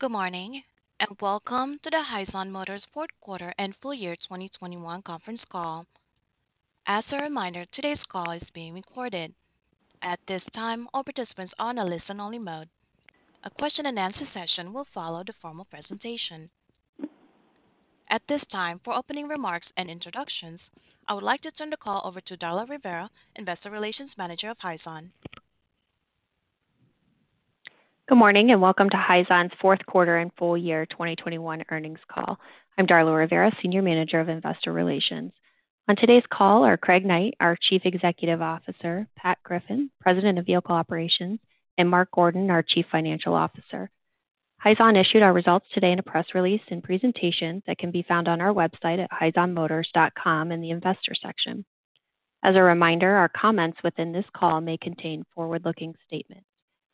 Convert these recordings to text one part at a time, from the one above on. Good morning, and welcome to the Hyzon Motors fourth quarter and full year 2021 conference call. As a reminder, today's call is being recorded. At this time, all participants are on a listen-only mode. A question and answer session will follow the formal presentation. At this time, for opening remarks and introductions, I would like to turn the call over to Darla Rivera, Investor Relations Manager of Hyzon. Good morning, and welcome to Hyzon's fourth quarter and full year 2021 earnings call. I'm Darla Rivera, Senior Manager of Investor Relations. On today's call are Craig Knight, our Chief Executive Officer, Pat Griffin, President of Vehicle Operations, and Mark Gordon, our Chief Financial Officer. Hyzon issued our results today in a press release and presentation that can be found on our website at hyzonmotors.com in the investor section. As a reminder, our comments within this call may contain forward-looking statements,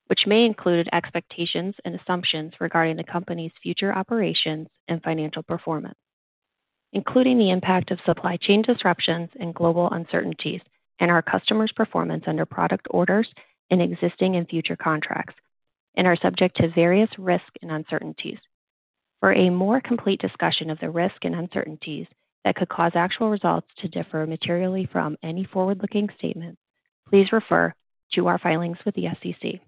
which may include expectations and assumptions regarding the company's future operations and financial performance, including the impact of supply chain disruptions and global uncertainties in our customers' performance under product orders in existing and future contracts, and are subject to various risks and uncertainties. For a more complete discussion of the risks and uncertainties that could cause actual results to differ materially from any forward-looking statements, please refer to our filings with the SEC,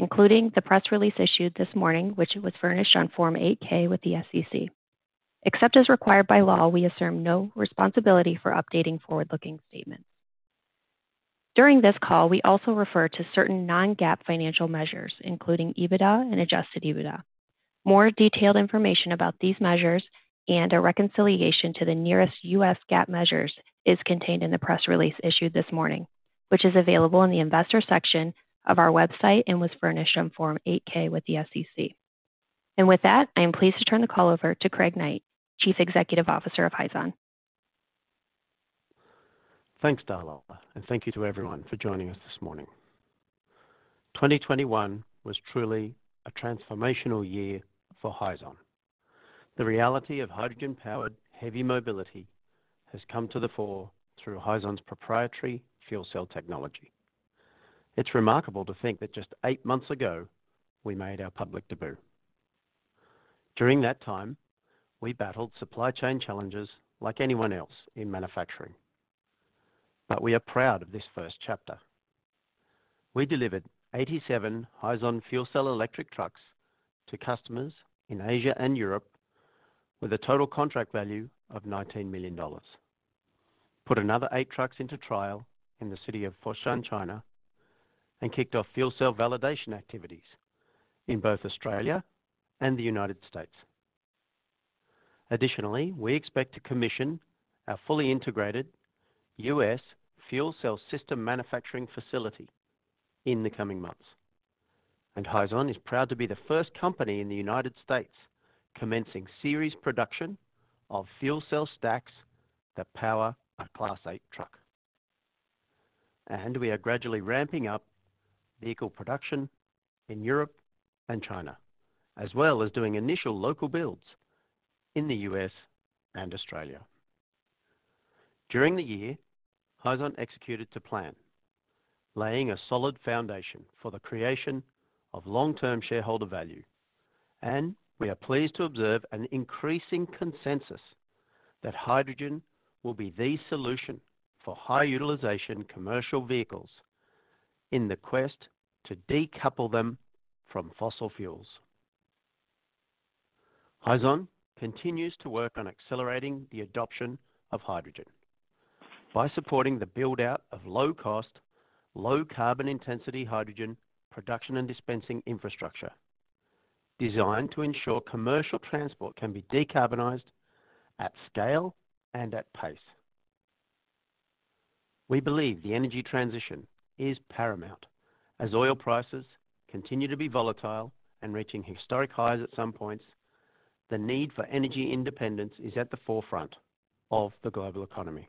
including the press release issued this morning, which was furnished on Form 8-K with the SEC. Except as required by law, we assume no responsibility for updating forward-looking statements. During this call, we also refer to certain non-GAAP financial measures, including EBITDA and Adjusted EBITDA. More detailed information about these measures and a reconciliation to the nearest U.S. GAAP measures is contained in the press release issued this morning, which is available in the investor section of our website and was furnished on Form 8-K with the SEC. With that, I am pleased to turn the call over to Craig Knight, Chief Executive Officer of Hyzon. Thanks, Darla, and thank you to everyone for joining us this morning. 2021 was truly a transformational year for Hyzon. The reality of hydrogen-powered heavy mobility has come to the fore through Hyzon's proprietary fuel cell technology. It's remarkable to think that just eight months ago, we made our public debut. During that time, we battled supply chain challenges like anyone else in manufacturing. We are proud of this first chapter. We delivered 87 Hyzon fuel cell electric trucks to customers in Asia and Europe with a total contract value of $19 million, put another eight trucks into trial in the city of Foshan, China, and kicked off fuel cell validation activities in both Australia and the United States. Additionally, we expect to commission our fully integrated U.S. fuel cell system manufacturing facility in the coming months. Hyzon is proud to be the first company in the United States commencing series production of fuel cell stacks that power a Class 8 truck. We are gradually ramping up vehicle production in Europe and China, as well as doing initial local builds in the U.S. and Australia. During the year, Hyzon executed to plan, laying a solid foundation for the creation of long-term shareholder value. We are pleased to observe an increasing consensus that hydrogen will be the solution for high utilization commercial vehicles in the quest to decouple them from fossil fuels. Hyzon continues to work on accelerating the adoption of hydrogen by supporting the build-out of low cost, low carbon intensity hydrogen production and dispensing infrastructure designed to ensure commercial transport can be decarbonized at scale and at pace. We believe the energy transition is paramount. As oil prices continue to be volatile and reaching historic highs at some points, the need for energy independence is at the forefront of the global economy.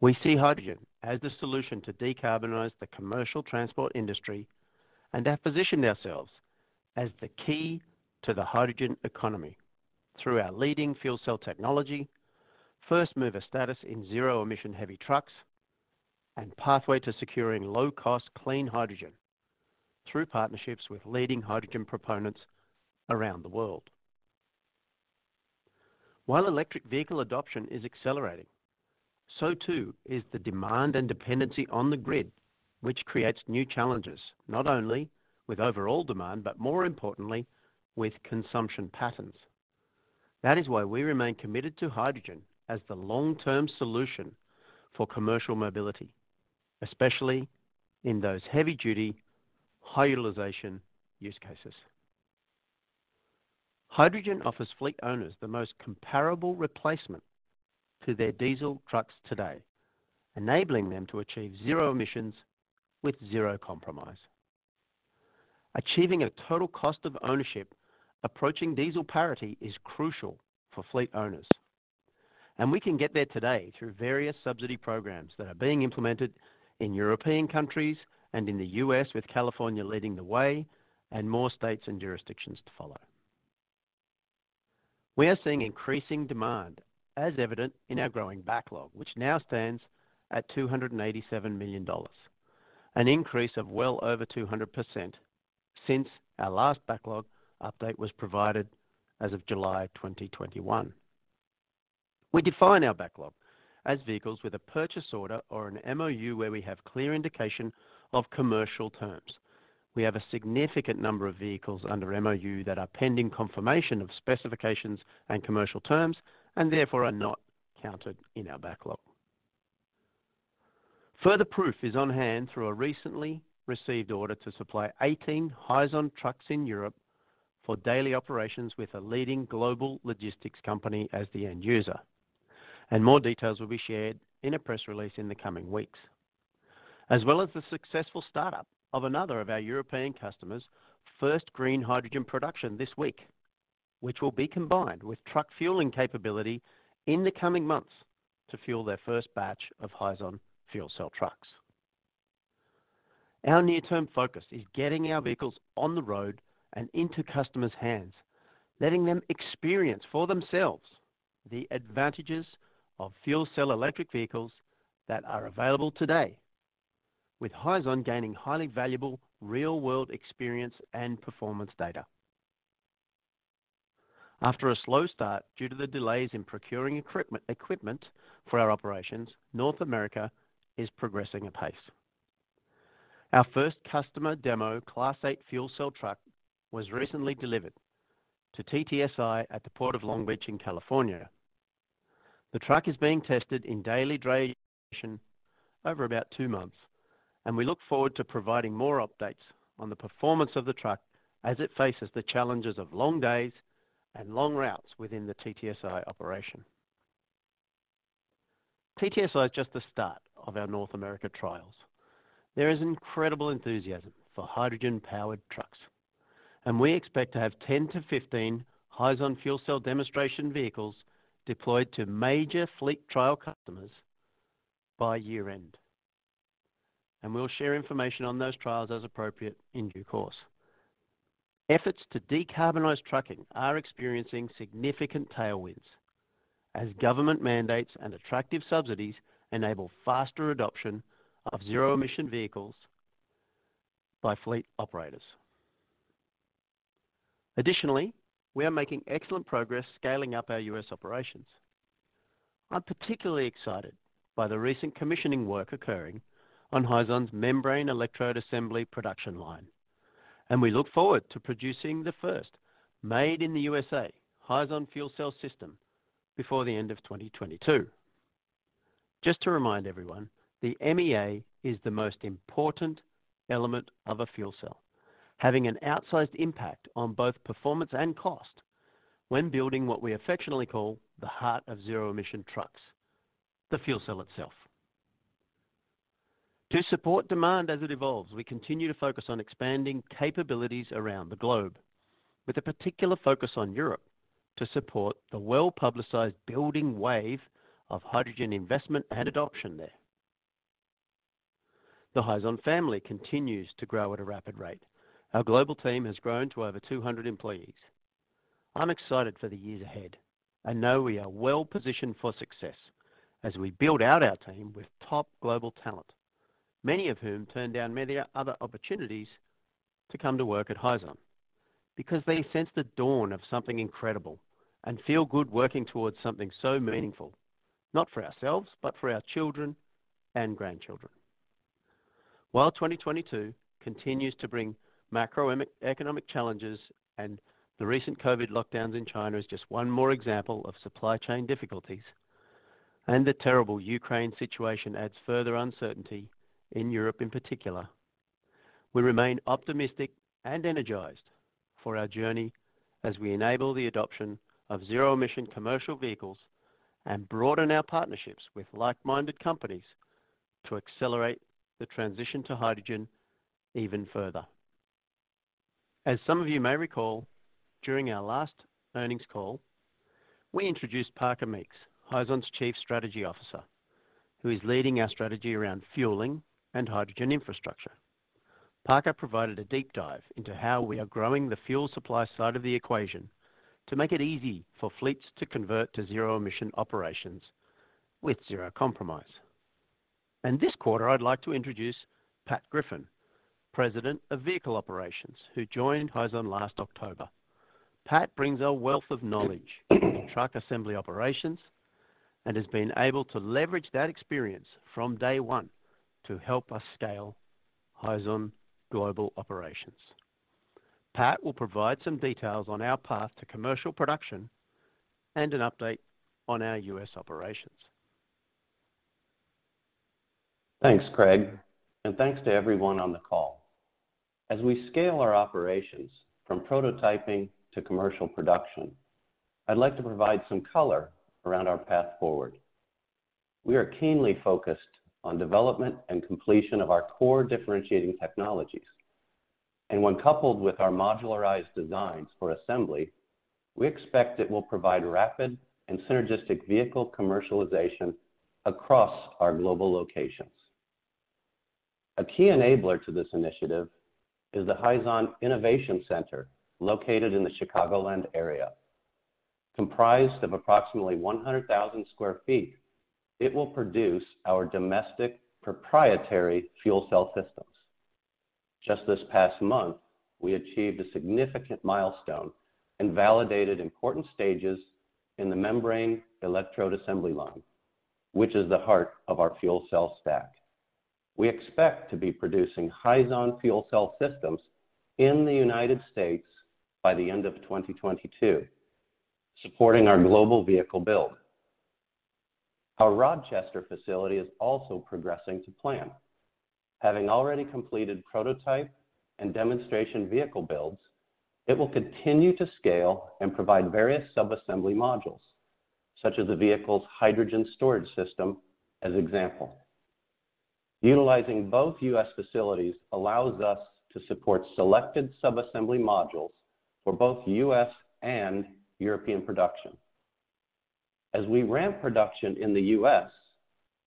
We see hydrogen as the solution to decarbonize the commercial transport industry and have positioned ourselves as the key to the hydrogen economy through our leading fuel cell technology, first mover status in zero-emission heavy trucks, and pathway to securing low-cost clean hydrogen through partnerships with leading hydrogen proponents around the world. While electric vehicle adoption is accelerating, so too is the demand and dependency on the grid, which creates new challenges, not only with overall demand, but more importantly, with consumption patterns. That is why we remain committed to hydrogen as the long-term solution for commercial mobility, especially in those heavy-duty, high utilization use cases. Hydrogen offers fleet owners the most comparable replacement to their diesel trucks today, enabling them to achieve zero emissions with zero compromise. Achieving a total cost of ownership approaching diesel parity is crucial for fleet owners, and we can get there today through various subsidy programs that are being implemented in European countries and in the U.S., with California leading the way, and more states and jurisdictions to follow. We are seeing increasing demand as evident in our growing backlog, which now stands at $287 million, an increase of well over 200% since our last backlog update was provided as of July 2021. We define our backlog as vehicles with a purchase order or an MOU where we have clear indication of commercial terms. We have a significant number of vehicles under MOU that are pending confirmation of specifications and commercial terms, and therefore are not counted in our backlog. Further proof is on hand through a recently received order to supply 18 Hyzon trucks in Europe for daily operations with a leading global logistics company as the end user, and more details will be shared in a press release in the coming weeks. As well as the successful startup of another of our European customers' first green hydrogen production this week, which will be combined with truck fueling capability in the coming months to fuel their first batch of Hyzon fuel cell trucks. Our near-term focus is getting our vehicles on the road and into customers' hands, letting them experience for themselves the advantages of fuel cell electric vehicles that are available today, with Hyzon gaining highly valuable real-world experience and performance data. After a slow start due to the delays in procuring equipment for our operations, North America is progressing apace. Our first customer demo Class 8 fuel cell truck was recently delivered to TTSI at the Port of Long Beach in California. The truck is being tested in daily drayage over about two months, and we look forward to providing more updates on the performance of the truck as it faces the challenges of long days and long routes within the TTSI operation. TTSI is just the start of our North America trials. There is incredible enthusiasm for hydrogen-powered trucks, and we expect to have 10 to 15 Hyzon fuel cell demonstration vehicles deployed to major fleet trial customers by year-end, and we'll share information on those trials as appropriate in due course. Efforts to decarbonize trucking are experiencing significant tailwinds as government mandates and attractive subsidies enable faster adoption of zero-emission vehicles by fleet operators. Additionally, we are making excellent progress scaling up our U.S. operations. I'm particularly excited by the recent commissioning work occurring on Hyzon's Membrane Electrode Assembly production line, and we look forward to producing the first made in the U.S.A. Hyzon fuel cell system before the end of 2022. Just to remind everyone, the MEA is the most important element of a fuel cell, having an outsized impact on both performance and cost when building what we affectionately call the heart of zero-emission trucks, the fuel cell itself. To support demand as it evolves, we continue to focus on expanding capabilities around the globe with a particular focus on Europe to support the well-publicized building wave of hydrogen investment and adoption there. The Hyzon family continues to grow at a rapid rate. Our global team has grown to over 200 employees. I'm excited for the years ahead and know we are well positioned for success as we build out our team with top global talent, many of whom turned down many other opportunities to come to work at Hyzon, because they sense the dawn of something incredible and feel good working towards something so meaningful, not for ourselves, but for our children and grandchildren. While 2022 continues to bring macroeconomic challenges, and the recent COVID lockdowns in China is just one more example of supply chain difficulties, and the terrible Ukraine situation adds further uncertainty in Europe in particular, we remain optimistic and energized for our journey as we enable the adoption of zero-emission commercial vehicles and broaden our partnerships with like-minded companies to accelerate the transition to hydrogen even further. As some of you may recall, during our last earnings call, we introduced Parker Meeks, Hyzon's Chief Strategy Officer, who is leading our strategy around fueling and hydrogen infrastructure. Parker provided a deep dive into how we are growing the fuel supply side of the equation to make it easy for fleets to convert to zero-emission operations with zero compromise. This quarter, I'd like to introduce Pat Griffin, President of Vehicle Operations, who joined Hyzon last October. Pat brings a wealth of knowledge to truck assembly operations and has been able to leverage that experience from day one to help us scale Hyzon global operations. Pat will provide some details on our path to commercial production and an update on our U.S. operations. Thanks, Craig, and thanks to everyone on the call. As we scale our operations from prototyping to commercial production, I'd like to provide some color around our path forward. We are keenly focused on development and completion of our core differentiating technologies. When coupled with our modularized designs for assembly, we expect it will provide rapid and synergistic vehicle commercialization across our global locations. A key enabler to this initiative is the Hyzon Innovation Center located in the Chicagoland area. Comprised of approximately 100,000 sq ft, it will produce our domestic proprietary fuel cell systems. Just this past month, we achieved a significant milestone and validated important stages in the Membrane Electrode Assembly line, which is the heart of our fuel cell stack. We expect to be producing Hyzon fuel cell systems in the United States by the end of 2022, supporting our global vehicle build. Our Rochester facility is also progressing to plan. Having already completed prototype and demonstration vehicle builds, it will continue to scale and provide various subassembly modules, such as the vehicle's hydrogen storage system as example. Utilizing both U.S. facilities allows us to support selected subassembly modules for both U.S. and European production. As we ramp production in the U.S.,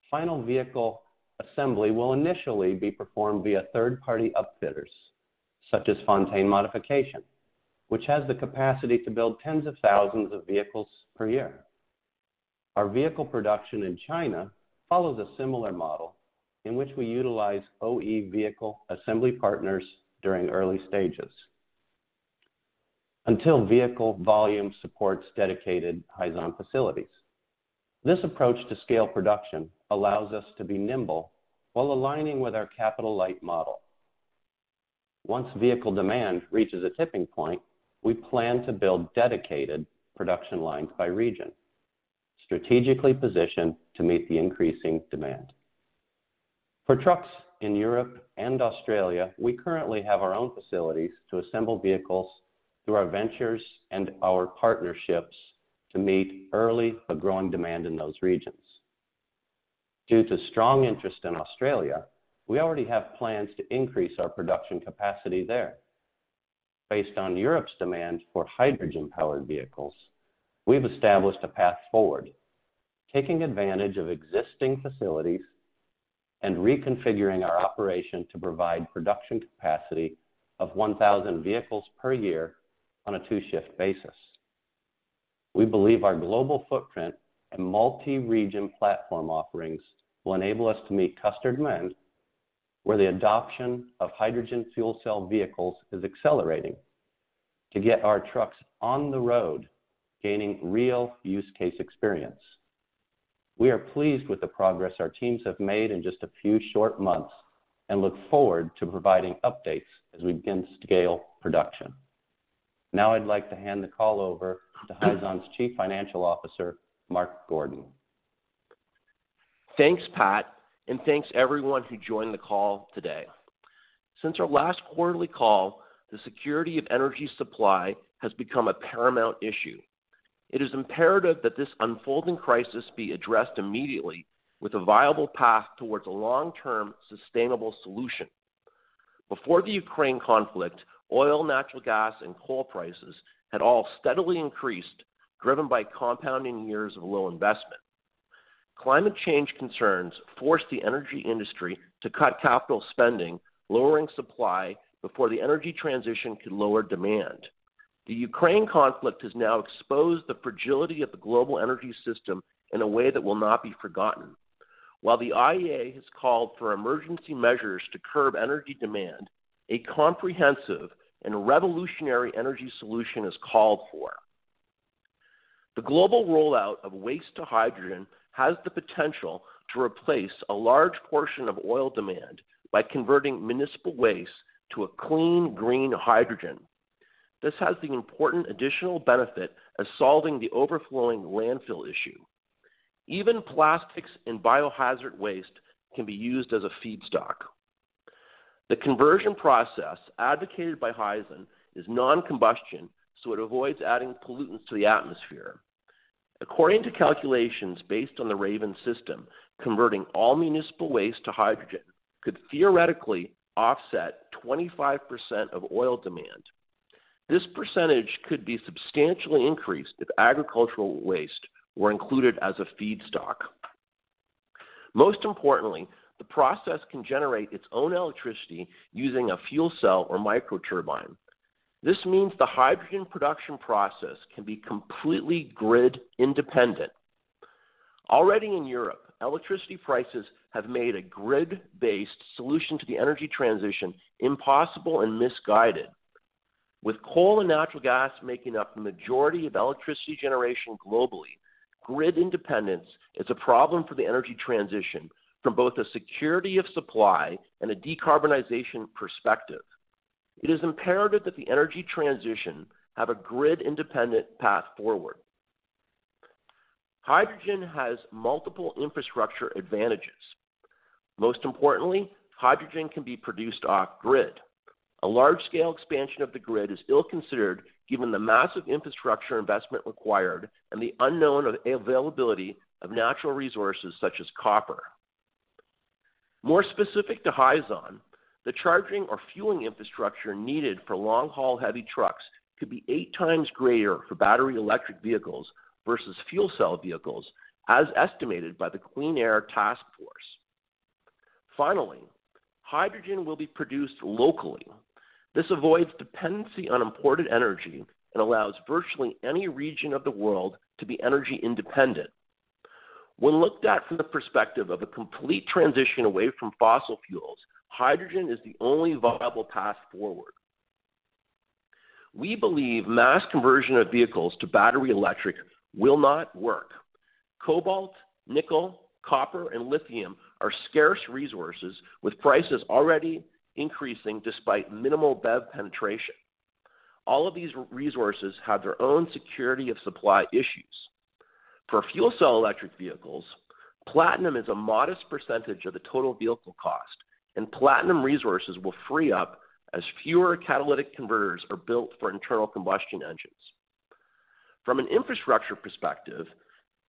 final vehicle assembly will initially be performed via third-party upfitters such as Fontaine Modification, which has the capacity to build tens of thousands of vehicles per year. Our vehicle production in China follows a similar model in which we utilize OE vehicle assembly partners during early stages until vehicle volume supports dedicated Hyzon facilities. This approach to scale production allows us to be nimble while aligning with our capital-light model. Once vehicle demand reaches a tipping point, we plan to build dedicated production lines by region, strategically positioned to meet the increasing demand. For trucks in Europe and Australia, we currently have our own facilities to assemble vehicles through our ventures and our partnerships to meet early but growing demand in those regions. Due to strong interest in Australia, we already have plans to increase our production capacity there. Based on Europe's demand for hydrogen-powered vehicles, we've established a path forward, taking advantage of existing facilities and reconfiguring our operation to provide production capacity of 1,000 vehicles per year on a two-shift basis. We believe our global footprint and multi-region platform offerings will enable us to meet customer demand where the adoption of hydrogen fuel cell vehicles is accelerating to get our trucks on the road, gaining real use case experience. We are pleased with the progress our teams have made in just a few short months and look forward to providing updates as we begin to scale production. Now I'd like to hand the call over to Hyzon's Chief Financial Officer, Mark Gordon. Thanks, Pat, and thanks everyone who joined the call today. Since our last quarterly call, the security of energy supply has become a paramount issue. It is imperative that this unfolding crisis be addressed immediately with a viable path toward a long-term sustainable solution. Before the Ukraine conflict, oil, natural gas, and coal prices had all steadily increased, driven by compounding years of low investment. Climate change concerns forced the energy industry to cut capital spending, lowering supply before the energy transition could lower demand. The Ukraine conflict has now exposed the fragility of the global energy system in a way that will not be forgotten. While the IEA has called for emergency measures to curb energy demand, a comprehensive and revolutionary energy solution is called for. The global rollout of waste to hydrogen has the potential to replace a large portion of oil demand by converting municipal waste to a clean, green hydrogen. This has the important additional benefit of solving the overflowing landfill issue. Even plastics and biohazard waste can be used as a feedstock. The conversion process advocated by Hyzon is non-combustion, so it avoids adding pollutants to the atmosphere. According to calculations based on the Raven system, converting all municipal waste to hydrogen could theoretically offset 25% of oil demand. This percentage could be substantially increased if agricultural waste were included as a feedstock. Most importantly, the process can generate its own electricity using a fuel cell or microturbine. This means the hydrogen production process can be completely grid independent. Already in Europe, electricity prices have made a grid-based solution to the energy transition impossible and misguided. With coal and natural gas making up the majority of electricity generation globally, grid independence is a problem for the energy transition from both a security of supply and a decarbonization perspective. It is imperative that the energy transition have a grid-independent path forward. Hydrogen has multiple infrastructure advantages. Most importantly, hydrogen can be produced off-grid. A large-scale expansion of the grid is ill-considered given the massive infrastructure investment required and the unknown of availability of natural resources such as copper. More specific to Hyzon. The charging or fueling infrastructure needed for long-haul heavy trucks could be eight times greater for battery electric vehicles versus fuel cell vehicles, as estimated by the Clean Air Task Force. Finally, hydrogen will be produced locally. This avoids dependency on imported energy and allows virtually any region of the world to be energy independent. When looked at from the perspective of a complete transition away from fossil fuels, hydrogen is the only viable path forward. We believe mass conversion of vehicles to battery electric will not work. Cobalt, nickel, copper, and lithium are scarce resources with prices already increasing despite minimal BEV penetration. All of these resources have their own security of supply issues. For fuel cell electric vehicles, platinum is a modest percentage of the total vehicle cost, and platinum resources will free up as fewer catalytic converters are built for internal combustion engines. From an infrastructure perspective,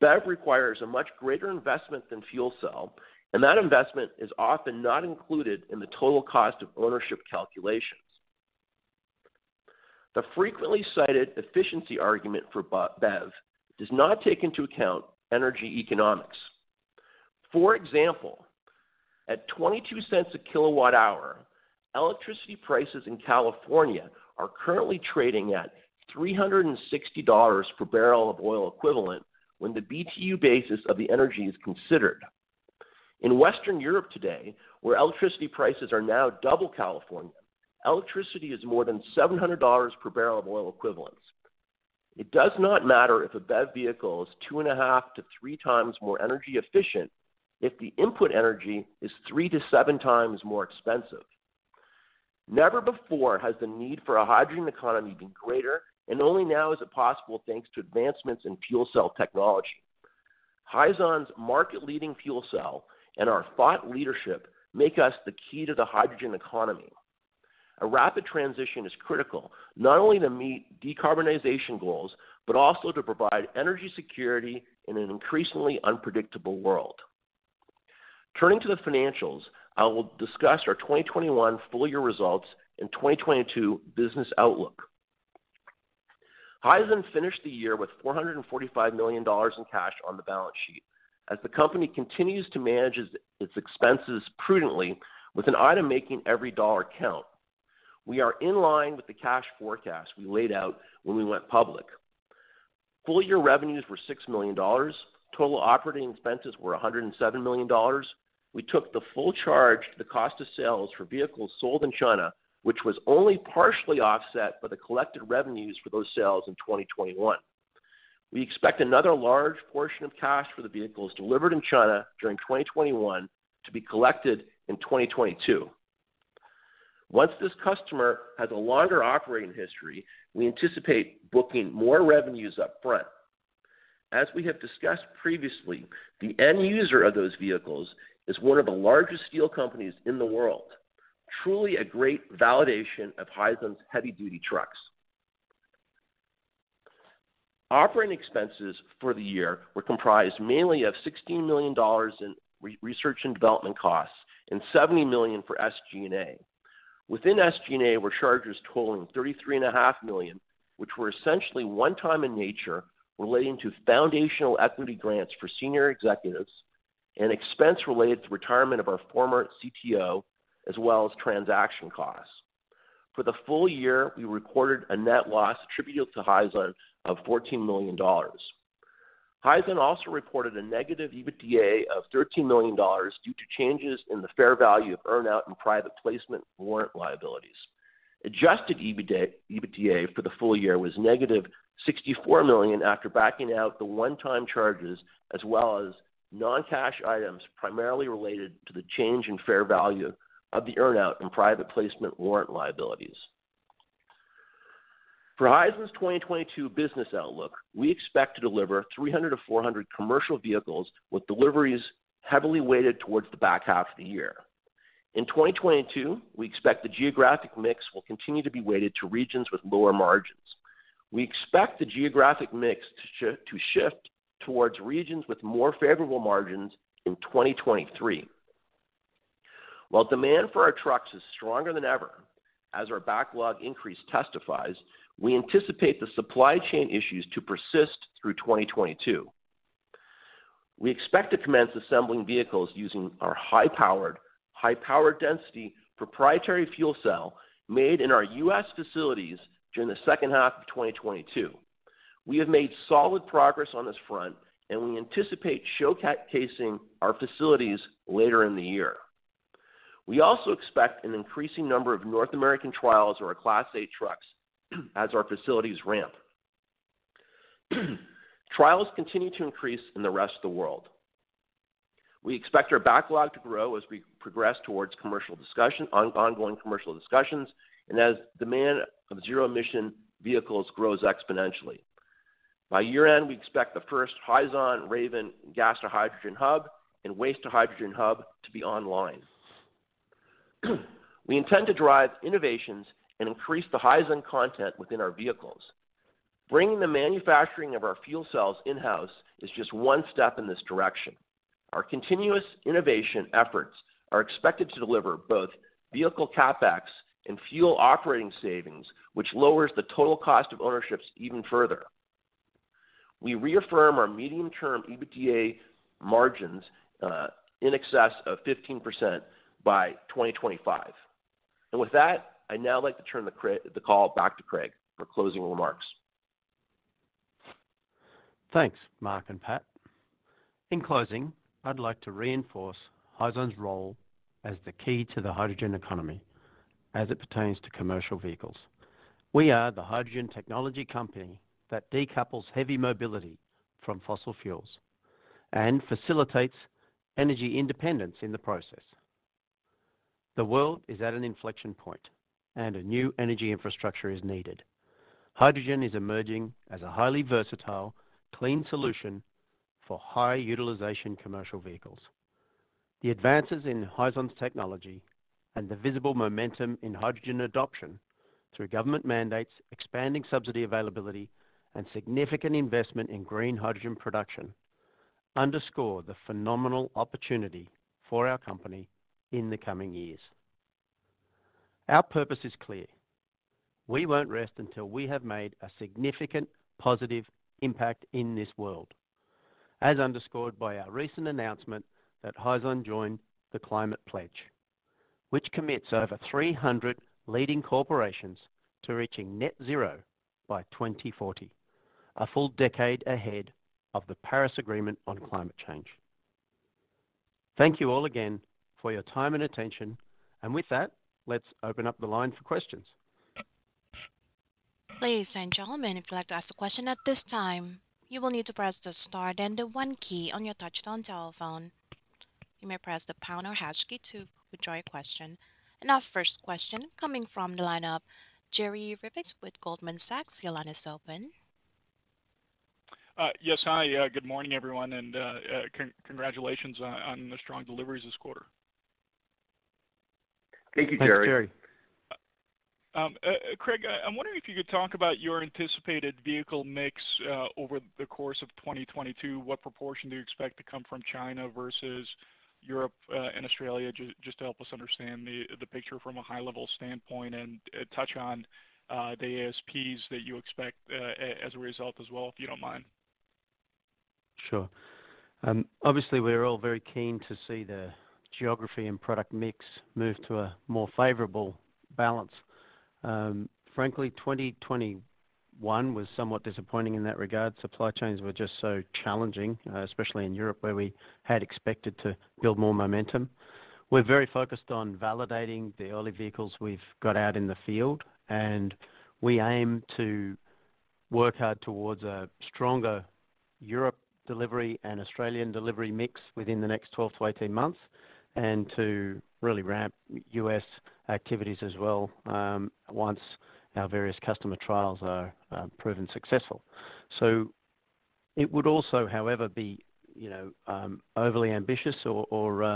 BEV requires a much greater investment than fuel cell, and that investment is often not included in the total cost of ownership calculations. The frequently cited efficiency argument for BEV does not take into account energy economics. For example, at $0.22 a kWh, electricity prices in California are currently trading at $360 per barrel of oil equivalent when the BTU basis of the energy is considered. In Western Europe today, where electricity prices are now double California, electricity is more than $700 per barrel of oil equivalents. It does not matter if a BEV vehicle is two and a half to three times more energy efficient if the input energy is three to seven times more expensive. Never before has the need for a hydrogen economy been greater, and only now is it possible, thanks to advancements in fuel cell technology. Hyzon's market-leading fuel cell and our thought leadership make us the key to the hydrogen economy. A rapid transition is critical, not only to meet decarbonization goals, but also to provide energy security in an increasingly unpredictable world. Turning to the financials, I will discuss our 2021 full year results and 2022 business outlook. Hyzon finished the year with $445 million in cash on the balance sheet, as the company continues to manage its expenses prudently with an eye to making every dollar count. We are in line with the cash forecast we laid out when we went public. Full year revenues were $6 million. Total operating expenses were $107 million. We took the full charge to the cost of sales for vehicles sold in China, which was only partially offset by the collected revenues for those sales in 2021. We expect another large portion of cash for the vehicles delivered in China during 2021 to be collected in 2022. Once this customer has a longer operating history, we anticipate booking more revenues up front. As we have discussed previously, the end user of those vehicles is one of the largest steel companies in the world. Truly a great validation of Hyzon's heavy-duty trucks. Operating expenses for the year were comprised mainly of $16 million in research and development costs and $70 million for SG&A. Within SG&A were charges totaling $33.5 million, which were essentially one-time in nature relating to foundational equity grants for senior executives and expense related to retirement of our former CTO, as well as transaction costs. For the full year, we recorded a net loss attributable to Hyzon of $14 million. Hyzon also reported a negative EBITDA of $13 million due to changes in the fair value of earn out and private placement warrant liabilities. Adjusted EBITDA for the full year was negative $64 million after backing out the one-time charges, as well as non-cash items primarily related to the change in fair value of the earn out and private placement warrant liabilities. For Hyzon's 2022 business outlook, we expect to deliver 300 to 400 commercial vehicles with deliveries heavily weighted towards the back half of the year. In 2022, we expect the geographic mix will continue to be weighted to regions with lower margins. We expect the geographic mix to shift towards regions with more favorable margins in 2023. While demand for our trucks is stronger than ever, as our backlog increase testifies, we anticipate the supply chain issues to persist through 2022. We expect to commence assembling vehicles using our high-powered, high power density proprietary fuel cell made in our U.S. facilities during the second half of 2022. We have made solid progress on this front, and we anticipate showcasing our facilities later in the year. We also expect an increasing number of North American trials of our Class 8 trucks as our facilities ramp. Trials continue to increase in the rest of the world. We expect our backlog to grow as we progress towards ongoing commercial discussions and as demand for zero-emission vehicles grows exponentially. By year-end, we expect the first Hyzon-Raven gas-to-hydrogen hub and waste-to-hydrogen hub to be online. We intend to drive innovations and increase the Hyzon content within our vehicles. Bringing the manufacturing of our fuel cells in-house is just one step in this direction. Our continuous innovation efforts are expected to deliver both vehicle CapEx and fuel operating savings, which lowers the total cost of ownership even further. We reaffirm our medium-term EBITDA margins in excess of 15% by 2025. With that, I'd now like to turn the call back to Craig for closing remarks. Thanks, Mark and Pat. In closing, I'd like to reinforce Hyzon's role as the key to the hydrogen economy as it pertains to commercial vehicles. We are the hydrogen technology company that decouples heavy mobility from fossil fuels and facilitates energy independence in the process. The world is at an inflection point, and a new energy infrastructure is needed. Hydrogen is emerging as a highly versatile, clean solution for high utilization commercial vehicles. The advances in Hyzon's technology and the visible momentum in hydrogen adoption through government mandates, expanding subsidy availability, and significant investment in green hydrogen production underscore the phenomenal opportunity for our company in the coming years. Our purpose is clear: We won't rest until we have made a significant positive impact in this world, as underscored by our recent announcement that Hyzon joined The Climate Pledge, which commits over 300 leading corporations to reaching net zero by 2040, a full decade ahead of the Paris Agreement on climate change. Thank you all again for your time and attention. With that, let's open up the line for questions. Ladies and gentlemen, if you'd like to ask a question at this time, you will need to press the star then the one key on your touchtone telephone. You may press the pound or hash key to withdraw your question. Our first question coming from the line of Jerry Revich with Goldman Sachs. Your line is open. Yes. Hi, good morning, everyone, and congratulations on the strong deliveries this quarter. Thank you, Jerry. Thanks, Jerry. Craig, I'm wondering if you could talk about your anticipated vehicle mix over the course of 2022. What proportion do you expect to come from China versus Europe and Australia? Just to help us understand the picture from a high level standpoint and touch on the ASPs that you expect as a result as well, if you don't mind. Sure. Obviously we're all very keen to see the geography and product mix move to a more favorable balance. Frankly, 2021 was somewhat disappointing in that regard. Supply chains were just so challenging, especially in Europe, where we had expected to build more momentum. We're very focused on validating the early vehicles we've got out in the field, and we aim to work hard towards a stronger Europe delivery and Australian delivery mix within the next 12 to 18 months, and to really ramp U.S. activities as well, once our various customer trials are proven successful. It would also, however, be, you know, overly ambitious or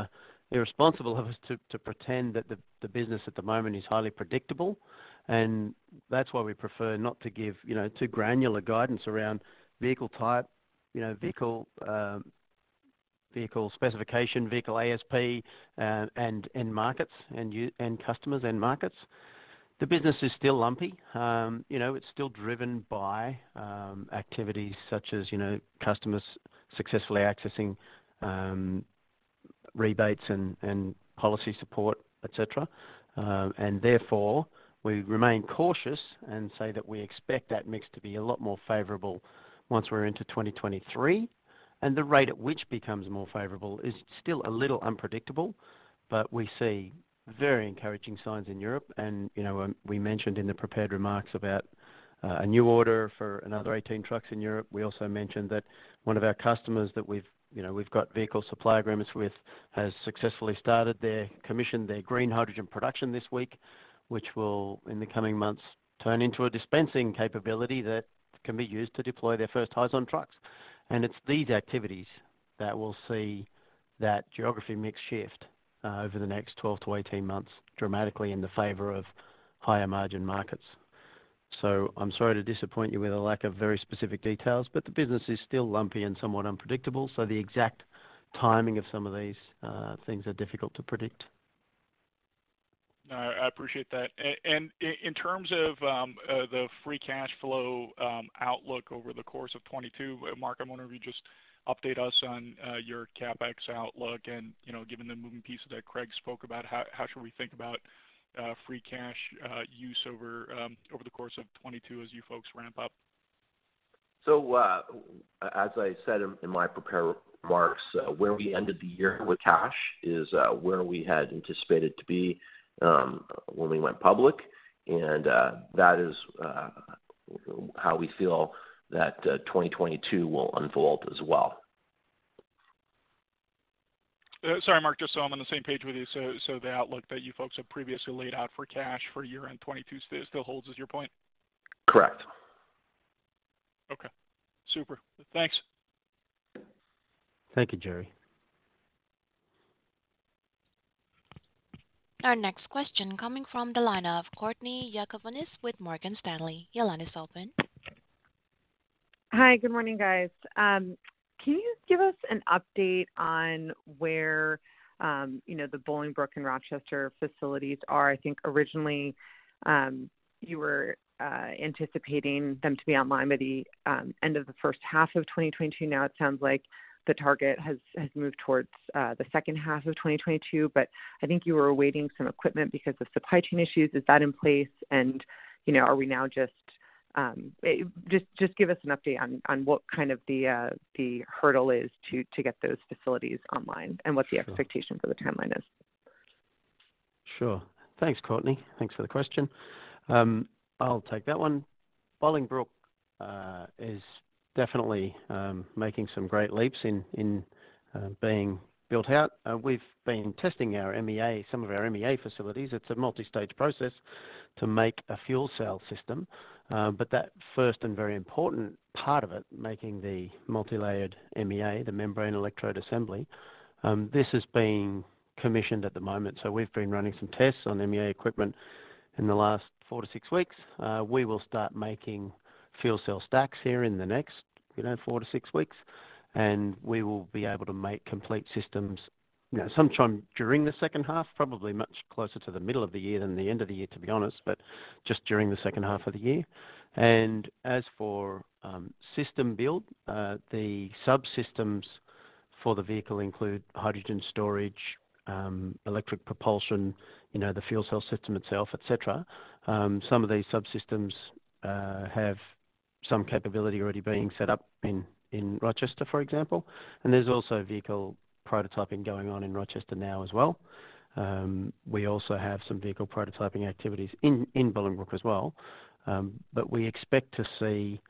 irresponsible of us to pretend that the business at the moment is highly predictable. That's why we prefer not to give, you know, too granular guidance around vehicle type, you know, vehicle specification, vehicle ASP, and markets and customers and markets. The business is still lumpy. You know, it's still driven by activities such as, you know, customers successfully accessing rebates and policy support, et cetera. Therefore, we remain cautious and say that we expect that mix to be a lot more favorable once we're into 2023. The rate at which becomes more favorable is still a little unpredictable. We see very encouraging signs in Europe. You know, we mentioned in the prepared remarks about a new order for another 18 trucks in Europe. We also mentioned that one of our customers that we've, you know, got vehicle supply agreements with has successfully commissioned their green hydrogen production this week, which will, in the coming months, turn into a dispensing capability that can be used to deploy their first Hyzon trucks. It's these activities that will see that geography mix shift over the next 12 to 18 months dramatically in the favor of higher margin markets. I'm sorry to disappoint you with a lack of very specific details, but the business is still lumpy and somewhat unpredictable, so the exact timing of some of these things are difficult to predict. No, I appreciate that. In terms of the free cash flow outlook over the course of 2022, Mark, I wonder if you'd just update us on your CapEx outlook. You know, given the moving pieces that Craig spoke about, how should we think about free cash use over the course of 2022 as you folks ramp up? As I said in my prepared remarks, where we ended the year with cash is where we had anticipated to be when we went public. That is how we feel that 2022 will unfold as well. Sorry, Mark. Just so I'm on the same page with you. The outlook that you folks have previously laid out for cash for year-end 2022 still holds is your point? Correct. Okay. Super. Thanks. Thank you, Jerry. Our next question coming from the line of Courtney Yakavonis with Morgan Stanley. Your line is open. Hi, good morning, guys. Can you give us an update on where, you know, the Bolingbrook and Rochester facilities are? I think originally, you were anticipating them to be online by the end of the first half of 2022. Now it sounds like the target has moved towards the second half of 2022. I think you were awaiting some equipment because of supply chain issues. Is that in place? And, you know, are we now just—just give us an update on what kind of the hurdle is to get those facilities online and what the expectation for the timeline is. Sure. Thanks, Courtney. Thanks for the question. I'll take that one. Bolingbrook is definitely making some great leaps in being built out. We've been testing our MEA, some of our MEA facilities. It's a multi-stage process to make a fuel cell system. That first and very important part of it, making the multi-layered MEA, the Membrane Electrode Assembly, this is being commissioned at the moment. We've been running some tests on MEA equipment in the last four to six weeks. We will start making fuel cell stacks here in the next, you know, four to six weeks, and we will be able to make complete systems, you know, sometime during the second half, probably much closer to the middle of the year than the end of the year, to be honest, but just during the second half of the year. As for system build, the subsystems for the vehicle include hydrogen storage, electric propulsion, you know, the fuel cell system itself, et cetera. Some of these subsystems have some capability already being set up in Rochester, for example. There's also vehicle prototyping going on in Rochester now as well. We also have some vehicle prototyping activities in Bolingbrook as well. We expect to see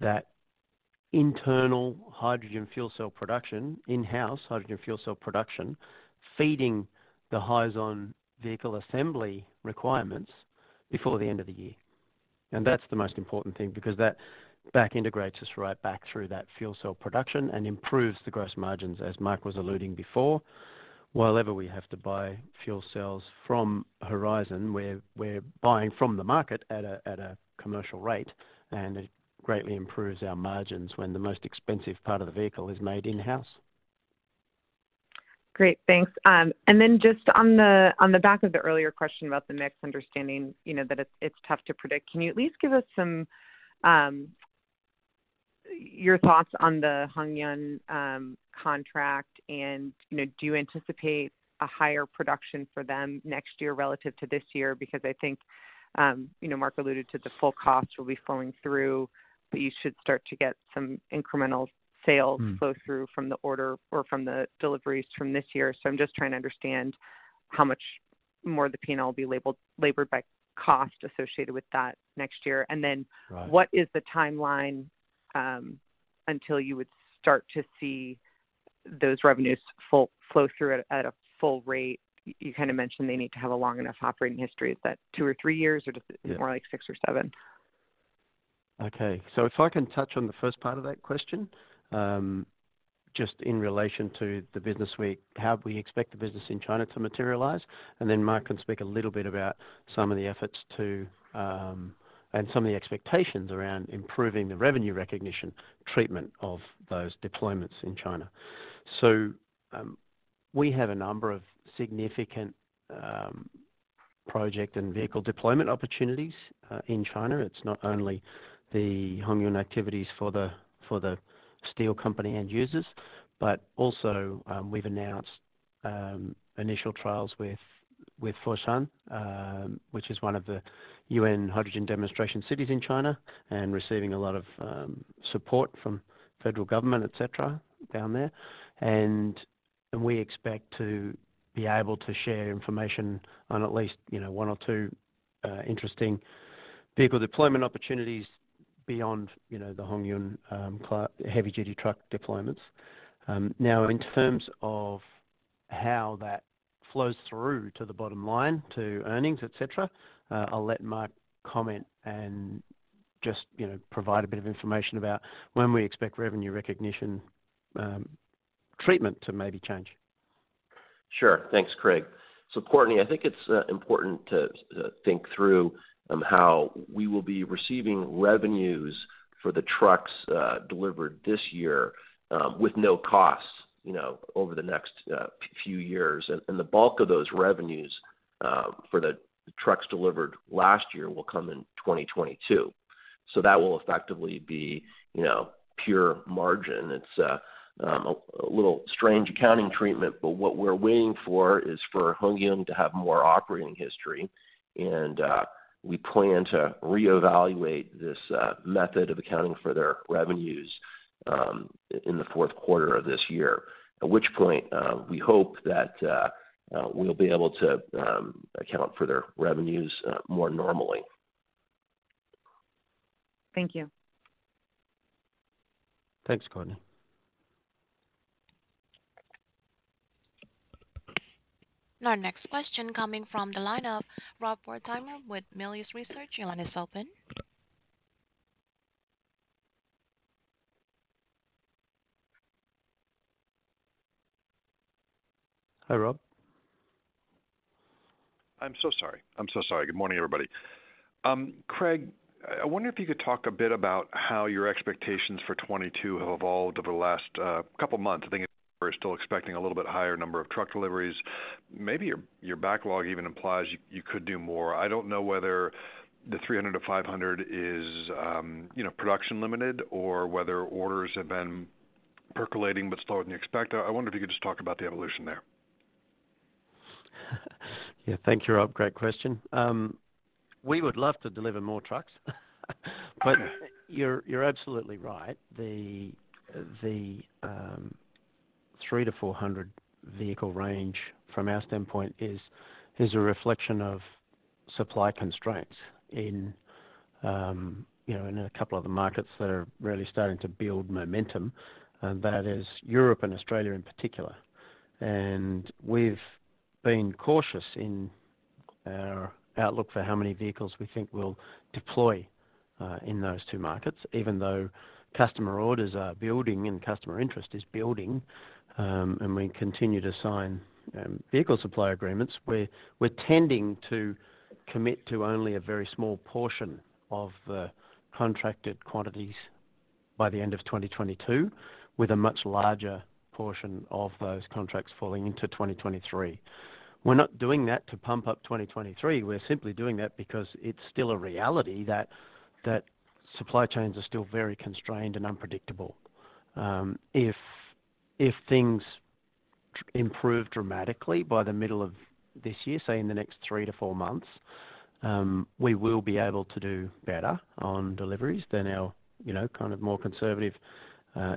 that internal hydrogen fuel cell production, in-house hydrogen fuel cell production, feeding the Hyzon vehicle assembly requirements before the end of the year. That's the most important thing because that back integrates us right back through that fuel cell production and improves the gross margins, as Mark was alluding before. Whenever we have to buy fuel cells from Horizon, we're buying from the market at a commercial rate, and it greatly improves our margins when the most expensive part of the vehicle is made in-house. Great. Thanks. Just on the back of the earlier question about the mix, understanding that it's tough to predict. Can you at least give us some of your thoughts on the HongYun contract? Do you anticipate a higher production for them next year relative to this year? Because I think Mark alluded to the full cost will be flowing through, but you should start to get some incremental sales— Mm-hmm. —flow through from the order or from the deliveries from this year. I'm just trying to understand how much more the P&L will be labored by costs associated with that next year. Right. And then, what is the timeline until you would start to see those revenues flow through at a full rate? You kind of mentioned they need to have a long enough operating history. Is that two or three years, or just— Yeah. —more like six or seven? Okay. If I can touch on the first part of that question, just in relation to the business how we expect the business in China to materialize, and then Mark can speak a little bit about some of the efforts to and some of the expectations around improving the revenue recognition treatment of those deployments in China. We have a number of significant project and vehicle deployment opportunities in China. It's not only the HongYun activities for the steel company end users, but also we've announced initial trials with Foshan, which is one of the UN Hydrogen Demonstration Cities in China and receiving a lot of support from federal government, et cetera, down there. We expect to be able to share information on at least, you know, one or two interesting vehicle deployment opportunities beyond, you know, the HongYun heavy duty truck deployments. Now, in terms of how that flows through to the bottom line, to earnings, et cetera, I'll let Mark comment and just, you know, provide a bit of information about when we expect revenue recognition treatment to maybe change. Sure. Thanks, Craig. So Courtney, I think it's important to think through how we will be receiving revenues for the trucks delivered this year with no costs, you know, over the next few years. The bulk of those revenues for the trucks delivered last year will come in 2022. That will effectively be, you know, pure margin. It's a little strange accounting treatment, but what we're waiting for is for HongYun to have more operating history. We plan to reevaluate this method of accounting for their revenues in the fourth quarter of this year. At which point, we hope that we'll be able to account for their revenues more normally. Thank you. Thanks, Courtney. Our next question coming from the line of Rob Wertheimer with Melius Research. Your line is open. Hi, Rob. I'm so sorry. Good morning, everybody. Craig, I wonder if you could talk a bit about how your expectations for 2022 have evolved over the last couple of months. I think you were still expecting a little bit higher number of truck deliveries. Maybe your backlog even implies you could do more. I don't know whether the 300 to 500 is production limited or whether orders have been percolating, but slower than you expect. I wonder if you could just talk about the evolution there. Yeah, thank you, Rob. Great question. We would love to deliver more trucks, but you're absolutely right. The 300 to 400 vehicle range from our standpoint is a reflection of supply constraints in a couple of the markets that are really starting to build momentum, and that is Europe and Australia in particular. We've been cautious in our outlook for how many vehicles we think we'll deploy in those two markets, even though customer orders are building and customer interest is building, and we continue to sign vehicle supply agreements. We're tending to commit to only a very small portion of the contracted quantities by the end of 2022, with a much larger portion of those contracts falling into 2023. We're not doing that to pump up 2023. We're simply doing that because it's still a reality that that supply chains are still very constrained and unpredictable. If things improve dramatically by the middle of this year, say in the next three to four months, we will be able to do better on deliveries than our, you know, kind of more conservative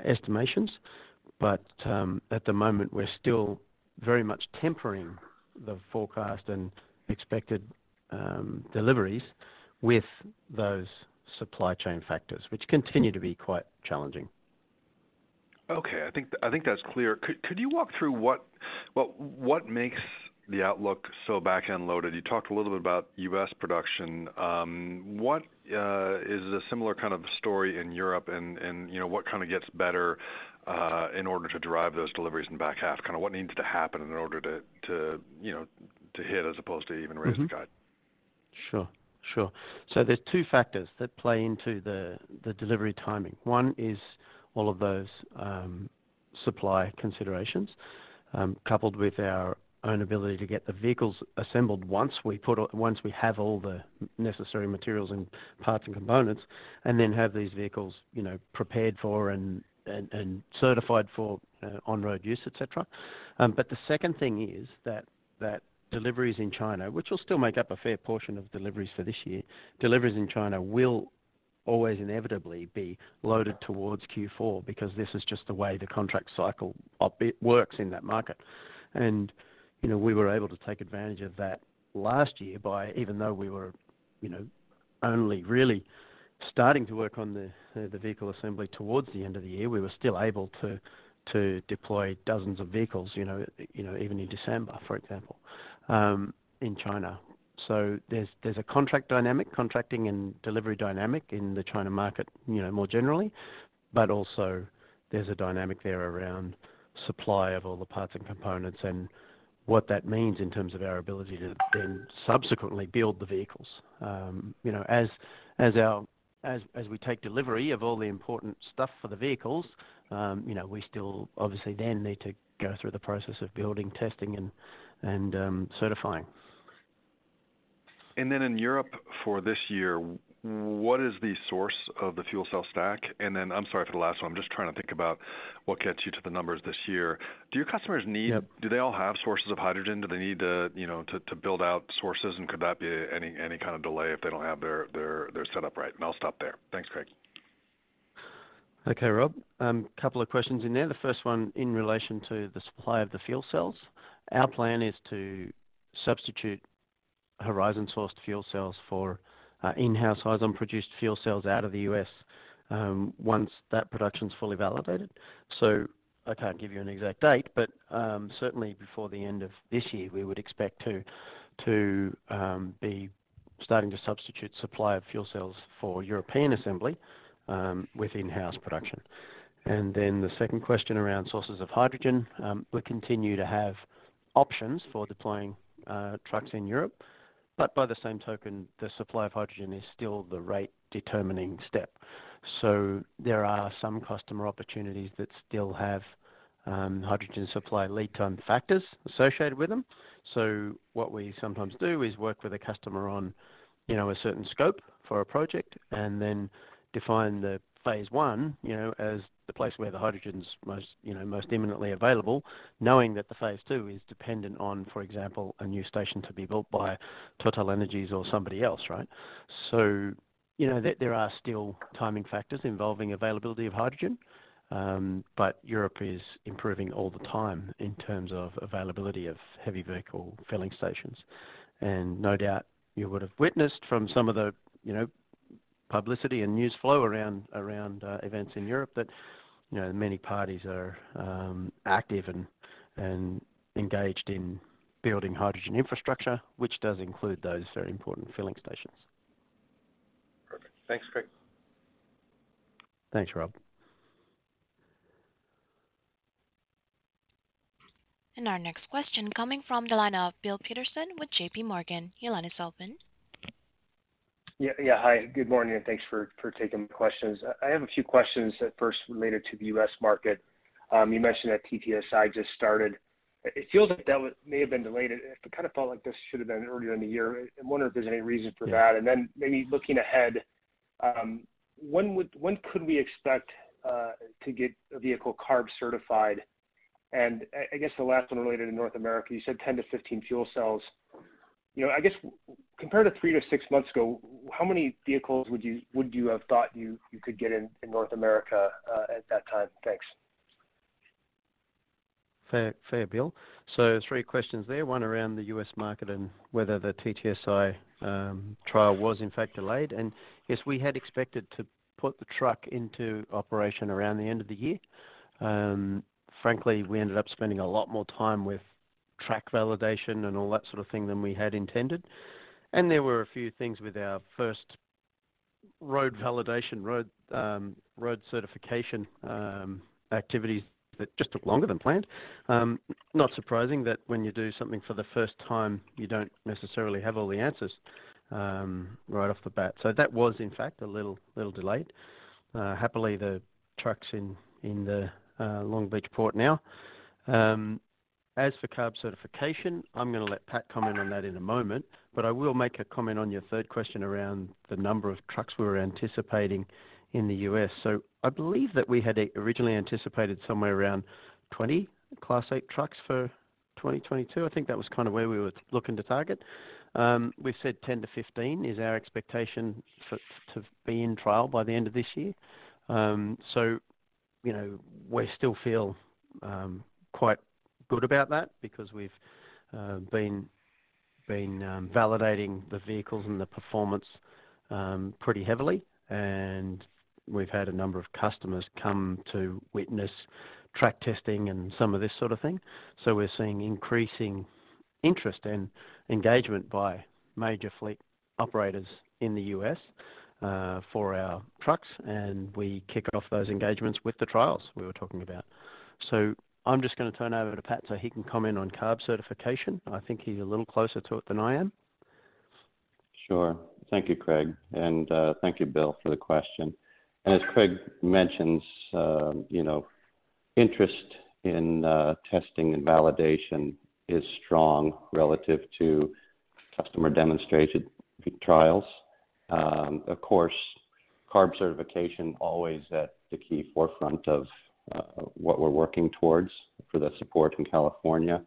estimations. But at the moment, we're still very much tempering the forecast and expected deliveries with those supply chain factors, which continue to be quite challenging. Okay. I think that's clear. Could you walk through what makes the outlook so back-end loaded? You talked a little bit about U.S. production. What is a similar kind of story in Europe and, you know, what kinda gets better in order to drive those deliveries in the back half? Kinda what needs to happen in order to, you know, to hit as opposed to even— Mm-hmm. —raise the guide? Sure, sure. There are two factors that play into the delivery timing. One is all of those supply considerations coupled with our own ability to get the vehicles assembled once we have all the necessary materials and parts and components, and then have these vehicles you know prepared for and certified for on-road use, et cetera. The second thing is that deliveries in China which will still make up a fair portion of deliveries for this year deliveries in China will always inevitably be loaded towards Q4 because this is just the way the contract cycle works in that market. You know, we were able to take advantage of that last year. Even though we were only really starting to work on the vehicle assembly towards the end of the year, we were still able to deploy dozens of vehicles, you know, even in December, for example, in China. There's a contract dynamic, contracting and delivery dynamic in the China market, you know, more generally, but also there's a dynamic there around supply of all the parts and components and what that means in terms of our ability to then subsequently build the vehicles. You know, as we take delivery of all the important stuff for the vehicles, you know, we still obviously then need to go through the process of building, testing and certifying. In Europe for this year, what is the source of the fuel cell stack? I'm sorry for the last one. I'm just trying to think about what gets you to the numbers this year. Do your customers need— Yep. Do they all have sources of hydrogen? Do they need to, you know, to build out sources? Could that be any kind of delay if they don't have their setup right? I'll stop there. Thanks, Craig. Okay, Rob. A couple of questions in there. The first one in relation to the supply of the fuel cells. Our plan is to substitute Horizon-sourced fuel cells for in-house Horizon-produced fuel cells out of the U.S. once that production is fully validated. I can't give you an exact date, but certainly before the end of this year, we would expect to be starting to substitute supply of fuel cells for European assembly with in-house production. Then the second question around sources of hydrogen. We continue to have options for deploying trucks in Europe, but by the same token, the supply of hydrogen is still the rate-determining step. There are some customer opportunities that still have hydrogen supply lead time factors associated with them. So what we sometimes do is work with a customer on, you know, a certain scope for a project and then define the phase one, you know, as the place where the hydrogen's most, you know, most imminently available, knowing that the phase two is dependent on, for example, a new station to be built by TotalEnergies or somebody else, right? You know, there are still timing factors involving availability of hydrogen, but Europe is improving all the time in terms of availability of heavy vehicle filling stations. No doubt you would have witnessed from some of the, you know, publicity and news flow around events in Europe that, you know, many parties are active and engaged in building hydrogen infrastructure, which does include those very important filling stations. Thanks, Craig. Thanks, Rob. Our next question coming from the line of Bill Peterson with JPMorgan. Your line is open. Hi, good morning, and thanks for taking questions. I have a few questions at first related to the U.S. market. You mentioned that TTSI just started. It feels like that may have been delayed. It kind of felt like this should have been earlier in the year. I wonder if there's any reason for that. Maybe looking ahead, when could we expect to get a vehicle CARB certified? I guess the last one related to North America, you said 10 to 15 fuel cells. You know, I guess compared to three to six months ago, how many vehicles would you have thought you could get in North America at that time? Thanks. Fair, Bill. Three questions there. One around the U.S. market and whether the TTSI trial was in fact delayed. Yes, we had expected to put the truck into operation around the end of the year. Frankly, we ended up spending a lot more time with truck validation and all that sort of thing than we had intended. There were a few things with our first road validation, road certification activities that just took longer than planned. Not surprising that when you do something for the first time, you don't necessarily have all the answers right off the bat. That was in fact a little delayed. Happily, the truck's in the Long Beach port now. As for CARB certification, I'm gonna let Pat comment on that in a moment, but I will make a comment on your third question around the number of trucks we were anticipating in the U.S. I believe that we had originally anticipated somewhere around 20 Class 8 trucks for 2022. I think that was kind of where we were looking to target. We've said 10 to 15 is our expectation to be in trial by the end of this year. You know, we still feel quite good about that because we've been validating the vehicles and the performance pretty heavily. And we've had a number of customers come to witness track testing and some of this sort of thing. We're seeing increasing interest and engagement by major fleet operators in the U.S., for our trucks, and we kick off those engagements with the trials we were talking about. I'm just gonna turn over to Pat, so he can comment on CARB certification. I think he's a little closer to it than I am. Sure. Thank you, Craig. Thank you, Bill, for the question. As Craig mentions, you know, interest in testing and validation is strong relative to customer-demonstrated trials. Of course, CARB certification always at the key forefront of what we're working towards for the support in California.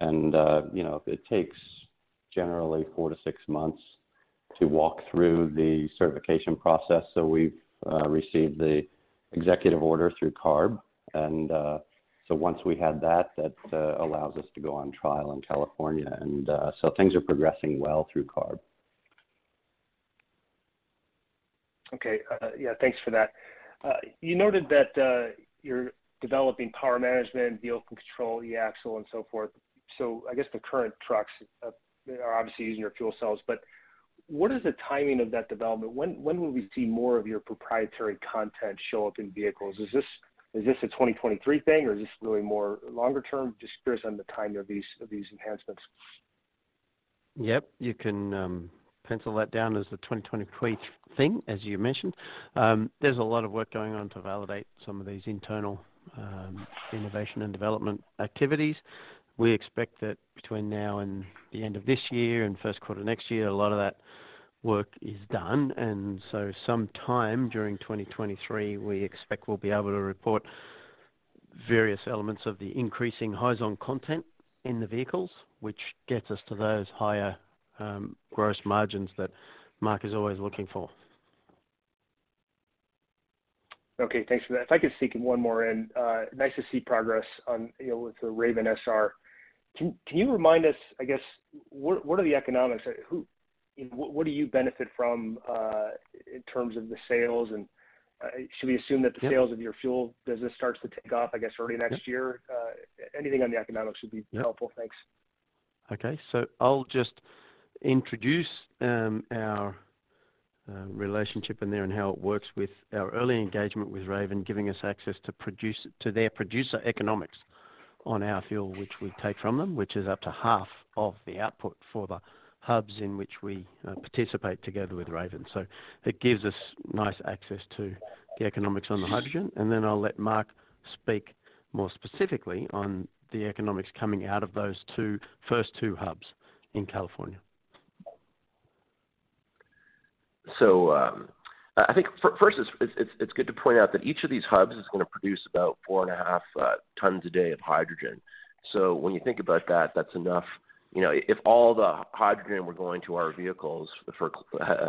You know, it takes generally four to six months to walk through the certification process. We've received the Executive Order through CARB, and so once we have that allows us to go on trial in California. Things are progressing well through CARB. Okay. Yeah, thanks for that. You noted that you're developing power management, vehicle control, eAxle and so forth. I guess the current trucks are obviously using your fuel cells, but what is the timing of that development? When will we see more of your proprietary content show up in vehicles? Is this a 2023 thing, or is this really more longer term? Just curious on the timing of these enhancements. Yep, you can pencil that down as the 2023 thing, as you mentioned. There's a lot of work going on to validate some of these internal innovation and development activities. We expect that between now and the end of this year and first quarter next year, a lot of that work is done. And so sometime during 2023, we expect we'll be able to report various elements of the increasing Hyzon content in the vehicles, which gets us to those higher gross margins that Mark is always looking for. Okay, thanks for that. If I could sneak one more in. Nice to see progress on, you know, with the Raven SR. Can you remind us, I guess, what are the economics? What do you benefit from, in terms of the sales, and should we assume that the sales of your fuel business starts to take off, I guess, early next year? Anything on the economics would be helpful. Thanks. Okay. I'll just introduce our relationship in there and how it works with our early engagement with Raven, giving us access to their producer economics on our fuel, which we take from them, which is up to half of the output for the hubs in which we participate together with Raven. It gives us nice access to the economics on the hydrogen. Then I'll let Mark speak more specifically on the economics coming out of those first two hubs in California. I think first it's good to point out that each of these hubs is gonna produce about 4.5 tons a day of hydrogen. When you think about that's enough You know, if all the hydrogen were going to our vehicles for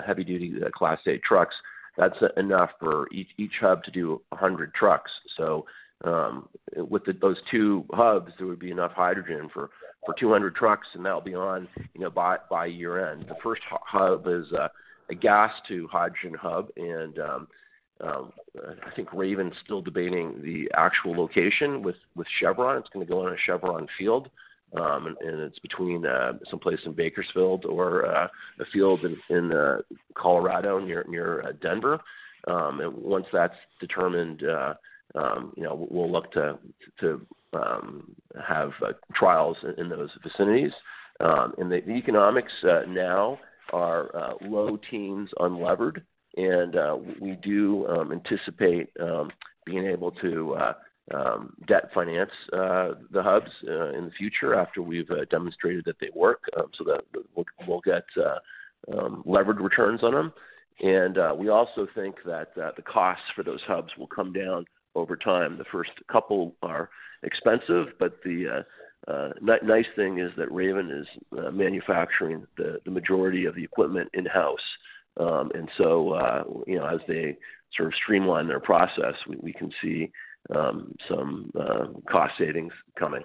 heavy-duty Class 8 trucks, that's enough for each hub to do 100 trucks. With those two hubs, there would be enough hydrogen for 200 trucks, and that'll be on, you know, by year-end. The first hub is a gas to hydrogen hub. I think Raven's still debating the actual location with Chevron. It's gonna go on a Chevron field, and it's between someplace in Bakersfield or a field in Colorado near Denver. Once that's determined, you know, we'll look to have trials in those vicinities. The economics now are low teens unlevered. We do anticipate being able to debt finance the hubs in the future after we've demonstrated that they work, so that we'll get levered returns on them. We also think that the costs for those hubs will come down over time. The first couple are expensive, but the nice thing is that Raven is manufacturing the majority of the equipment in-house. You know, as they sort of streamline their process, we can see some cost savings coming.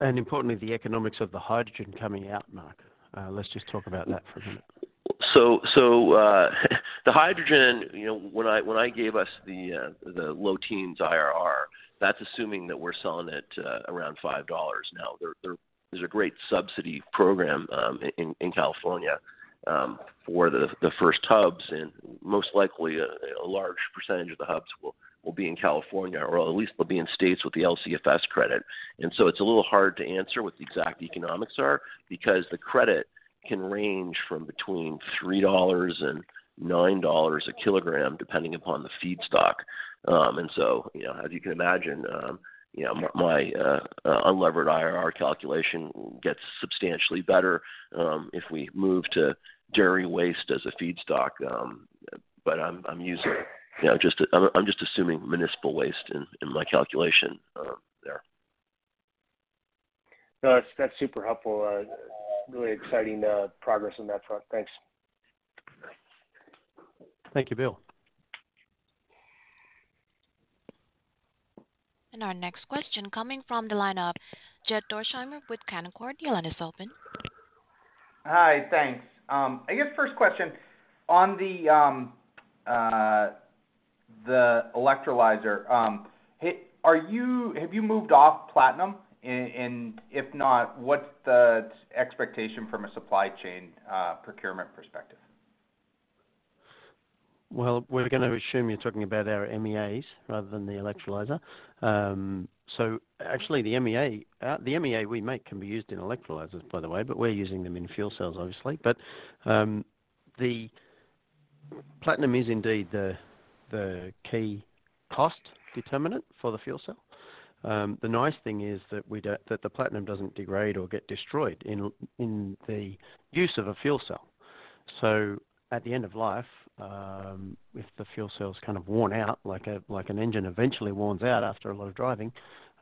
Importantly, the economics of the hydrogen coming out, Mark. Let's just talk about that for a minute. The hydrogen, you know, when I gave us the low-teens IRR, that's assuming that we're selling at around $5 now. There's a great subsidy program in California for the first hubs, and most likely a large percentage of the hubs will be in California, or at least will be in states with the LCFS credit. It's a little hard to answer what the exact economics are because the credit can range from between $3 and $9 a kg, depending upon the feedstock. You know, as you can imagine, you know, my unlevered IRR calculation gets substantially better if we move to dairy waste as a feedstock. I'm just assuming municipal waste in my calculation there. No, that's super helpful. Really exciting progress on that front. Thanks. Thank you, Bill. Our next question coming from the line of Jed Dorsheimer with Canaccord. Your line is open. Hi. Thanks. I guess first question on the electrolyzer. Have you moved off platinum? If not, what's the expectation from a supply chain procurement perspective? Well, we're gonna assume you're talking about our MEAs rather than the electrolyzer. Actually, the MEA we make can be used in electrolyzers, by the way, but we're using them in fuel cells, obviously. The platinum is indeed the key cost determinant for the fuel cell. The nice thing is that the platinum doesn't degrade or get destroyed in the use of a fuel cell. At the end of life, if the fuel cell's kind of worn out, like an engine eventually worn out after a lot of driving,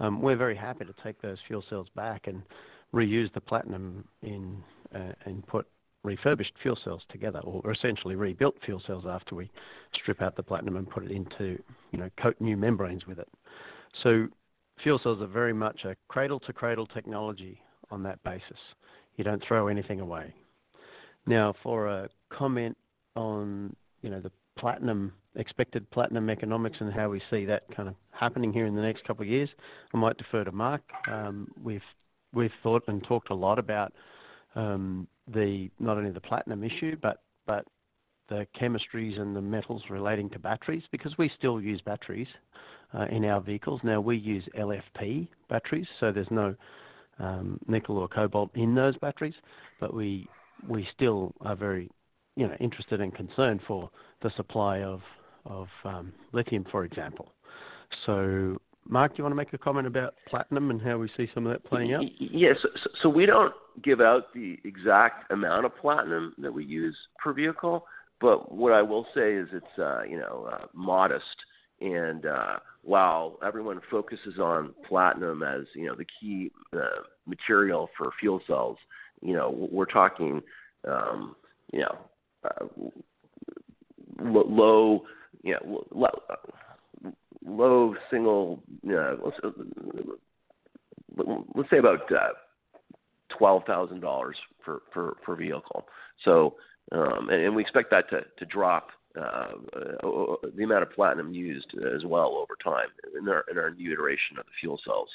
we're very happy to take those fuel cells back and reuse the platinum and put refurbished fuel cells together, or essentially rebuilt fuel cells after we strip out the platinum and put it into, you know, coat new membranes with it. Fuel cells are very much a cradle-to-cradle technology on that basis. You don't throw anything away. Now, for a comment on, you know, the platinum, expected platinum economics and how we see that kind of happening here in the next couple of years, I might defer to Mark. We've thought and talked a lot about not only the platinum issue but the chemistries and the metals relating to batteries, because we still use batteries in our vehicles. Now, we use LFP batteries, so there's no nickel or cobalt in those batteries. But we still are very, you know, interested and concerned for the supply of lithium, for example. Mark, do you wanna make a comment about platinum and how we see some of that playing out? Yes. We don't give out the exact amount of platinum that we use per vehicle. But what I will say is it's modest. While everyone focuses on platinum as you know the key material for fuel cells, you know, we're talking low single, you know, let's say about $12,000 per vehicle. We expect that to drop, the amount of platinum used as well over time in our new iteration of the fuel cells.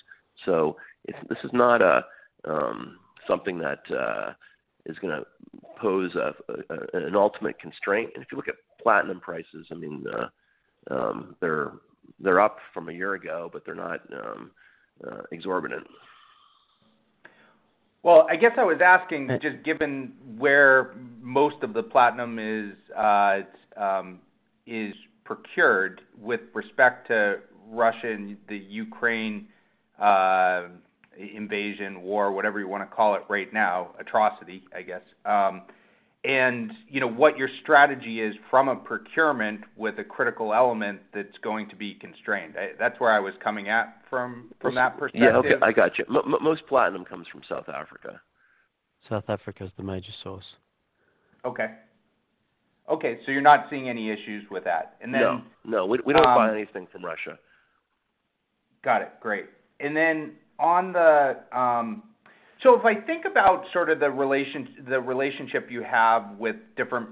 This is not something that is gonna pose an ultimate constraint. If you look at platinum prices, I mean, they're up from a year ago, but they're not exorbitant. Well, I guess I was asking just given where most of the platinum is procured with respect to Russia, the Ukraine invasion, war, whatever you wanna call it right now, atrocity, I guess. You know, what your strategy is from a procurement with a critical element that's going to be constrained. That's where I was coming from that perspective. Yeah. Okay, I got you. Most platinum comes from South Africa. South Africa is the major source. Okay, you're not seeing any issues with that? No, no. We don't buy anything from Russia. Got it. Great. If I think about sort of the relations, the relationship you have with different,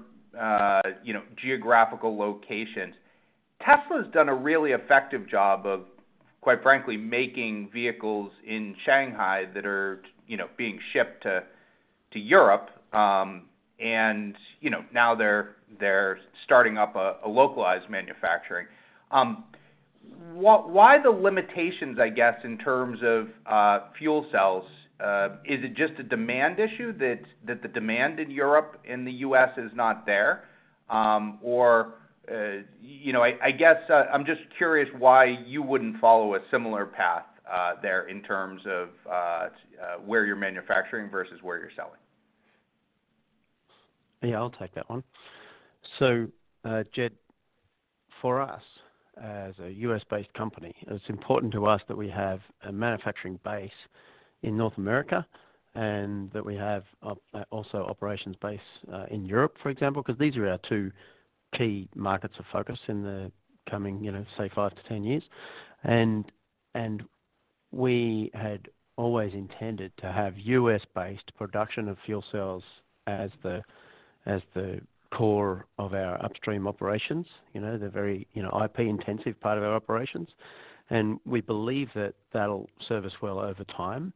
you know, geographical locations, Tesla's done a really effective job of, quite frankly, making vehicles in Shanghai that are, you know, being shipped to Europe. Now they're starting up a localized manufacturing. Why the limitations, I guess, in terms of fuel cells? Is it just a demand issue that the demand in Europe and the U.S. is not there? You know, I guess I'm just curious why you wouldn't follow a similar path there in terms of where you're manufacturing versus where you're selling. Yeah, I'll take that one. Jed, for us, as a U.S.-based company, it's important to us that we have a manufacturing base in North America and that we have also operations base in Europe, for example, 'cause these are our two key markets of focus in the coming, you know, say, five to 10 years. We had always intended to have U.S.-based production of fuel cells as the core of our upstream operations. You know, the very, you know, IP intensive part of our operations. We believe that that'll serve us well over time.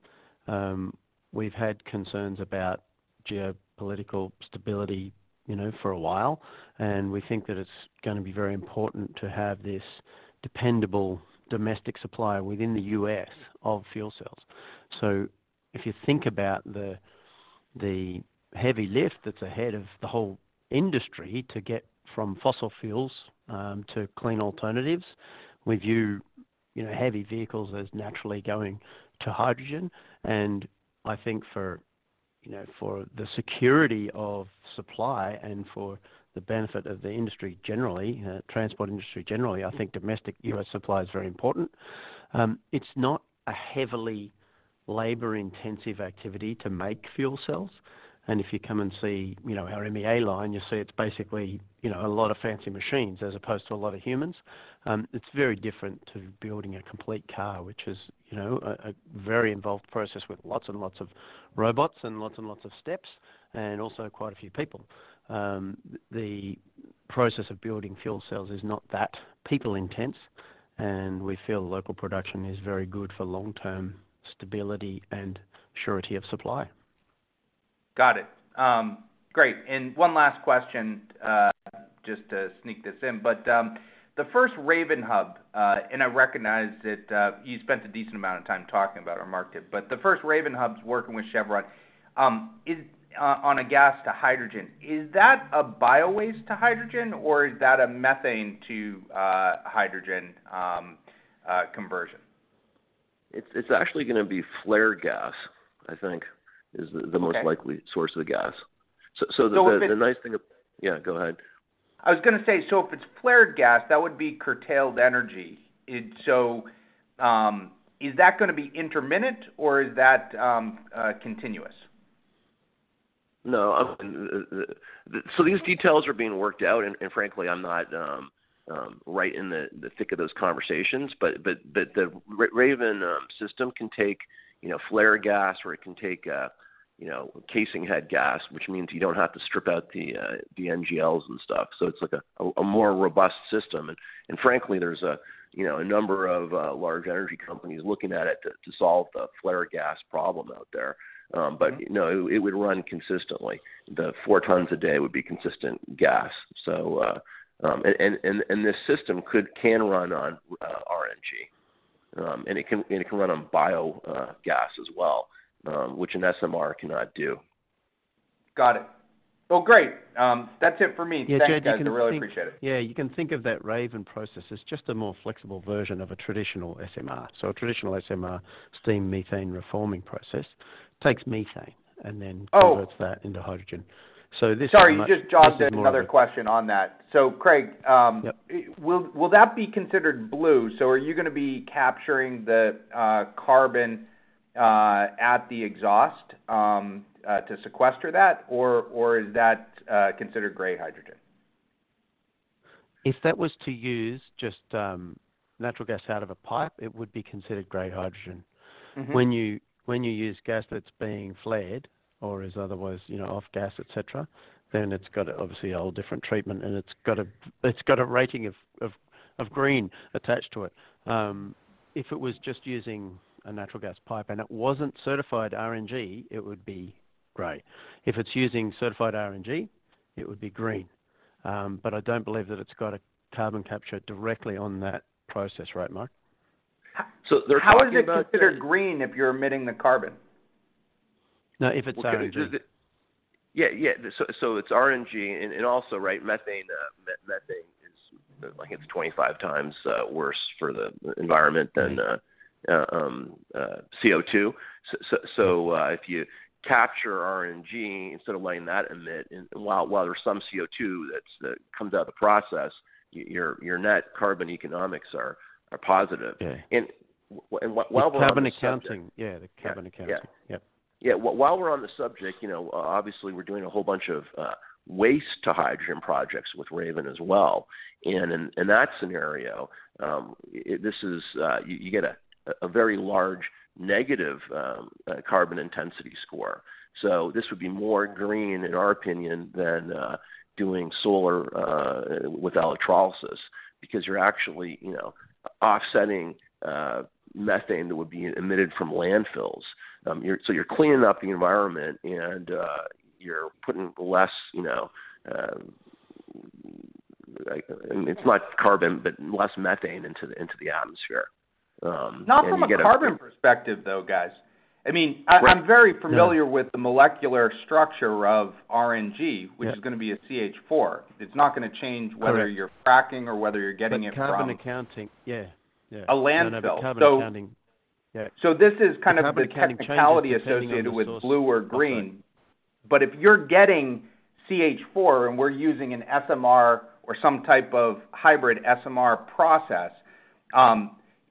We've had concerns about geopolitical stability, you know, for a while, and we think that it's gonna be very important to have this dependable domestic supply within the U.S. of fuel cells. If you think about the heavy lift that's ahead of the whole industry to get from fossil fuels to clean alternatives, we view, you know, heavy vehicles as naturally going to hydrogen. I think for, you know, the security of supply and for the benefit of the industry generally, transport industry generally, I think domestic U.S. supply is very important. It's not a heavily labor-intensive activity to make fuel cells, and if you come and see, you know, our MEA line, you'll see it's basically, you know, a lot of fancy machines as opposed to a lot of humans. It's very different to building a complete car, which is, you know, a very involved process with lots and lots of robots and lots and lots of steps and also quite a few people. The process of building fuel cells is not that labor-intensive, and we feel local production is very good for long-term stability and surety of supply. Got it. Great. One last question, just to sneak this in. The first Raven hub, and I recognize that you spent a decent amount of time talking about our market, but the first Raven hub's working with Chevron, is on a gas to hydrogen. Is that a biowaste to hydrogen or is that a methane to hydrogen conversion? It's actually gonna be flare gas, I think is the most likely— Okay. —source of the gas. The nice thing— If it's— Yeah, go ahead. I was gonna say, so if it's flared gas, that would be curtailed energy. Is that gonna be intermittent or is that continuous? No. These details are being worked out and frankly I'm not right in the thick of those conversations. The Raven system can take, you know, flare gas or it can take, you know, casing head gas, which means you don't have to strip out the NGLs and stuff. It's like a more robust system. Frankly, there's a, you know, a number of large energy companies looking at it to solve the flare gas problem out there. No, it would run consistently. The 4 tons a day would be consistent gas. This system can run on RNG. It can run on biogas as well, which an SMR cannot do. Got it. Well, great. That's it for me. Yeah, Jed, you can think— Thanks, guys. I really appreciate it. Yeah. You can think of that Raven process as just a more flexible version of a traditional SMR. A traditional SMR, steam methane reforming process, takes methane and then— Oh— —converts that into hydrogen. This is a much— —sorry, you just jogged another question on that. This is more of a— So Craig— Yep. —will that be considered blue? Are you gonna be capturing the carbon at the exhaust to sequester that? Is that considered gray hydrogen? If that was to use just natural gas out of a pipe, it would be considered gray hydrogen. Mm-hmm. When you use gas that's being flared or is otherwise, you know, off gas, et cetera, then it's got obviously a whole different treatment, and it's got a rating of green attached to it. If it was just using a natural gas pipe and it wasn't certified RNG, it would be gray. If it's using certified RNG, it would be green. But I don't believe that it's got a carbon capture directly on that process. Right, Mark? There are a few— How is it considered green if you're emitting the carbon? No, if it's RNG. Yeah, yeah. It's RNG and also, right, methane, like it's 25 times worse for the environment than the— Mm-hmm —CO2. If you capture RNG instead of letting that emit and while there's some CO2 that comes out of the process, your net carbon economics are positive. Yeah. While we're on the subject— The carbon accounting. Yeah, the carbon accounting. Yeah. Yeah. Yeah. While we're on the subject, you know, obviously we're doing a whole bunch of waste to hydrogen projects with Raven as well. In that scenario, this is you get a very large negative carbon intensity score. This would be more green in our opinion than doing solar with electrolysis because you're actually, you know, offsetting methane that would be emitted from landfills. You're cleaning up the environment and you're putting less, you know, like it's not carbon, but less methane into the atmosphere. You get a— Not from a carbon perspective though, guys. I mean, I'm very familiar with the molecular structure of RNG— Yeah. —which is gonna be a CH4. It's not gonna change— Correct. —whether you're fracking or whether you're getting it from Carbon accounting. Yeah, yeah. —a landfill. No, but carbon accounting. Yeah. This is kind of the technicality associated with blue or green. If you're getting CH4 and we're using an SMR or some type of hybrid SMR process,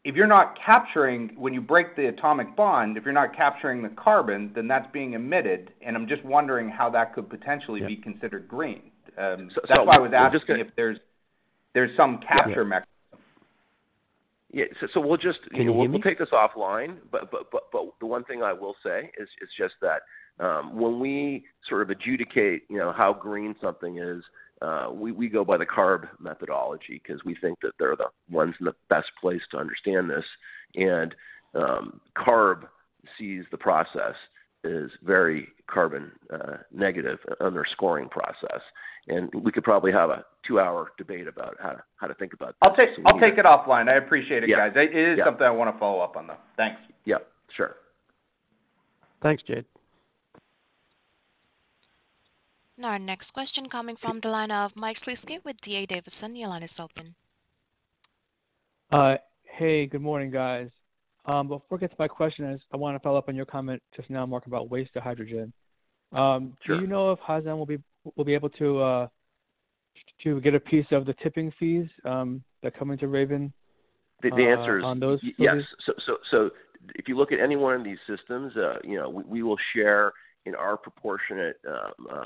if you're not capturing when you break the atomic bond, if you're not capturing the carbon, then that's being emitted, and I'm just wondering how that could potentially be considered green. That's why I was asking if there's some capture mechanism. Yeah. We'll just— Can you hear me? We'll take this offline, but the one thing I will say is just that, when we sort of adjudicate, you know, how green something is, we go by the CARB methodology because we think that they're the ones in the best place to understand this. CARB sees the process as very carbon negative on their scoring process, and we could probably have a two-hour debate about how to think about this. I'll take it offline. I appreciate it, guys. Yeah. It is something I wanna follow up on, though. Thanks. Yeah, sure. Thanks, Jed. Now our next question coming from the line of Mike Shlisky with D.A. Davidson. Your line is open. Hey, good morning, guys. Before I get to my question, I wanna follow up on your comment just now, Mark, about waste to hydrogen. Sure. Do you know if Hyzon will be able to get a piece of the tipping fees that come into Raven— The answer is— —on those? —yes. If you look at any one of these systems, you know, we will share in our proportionate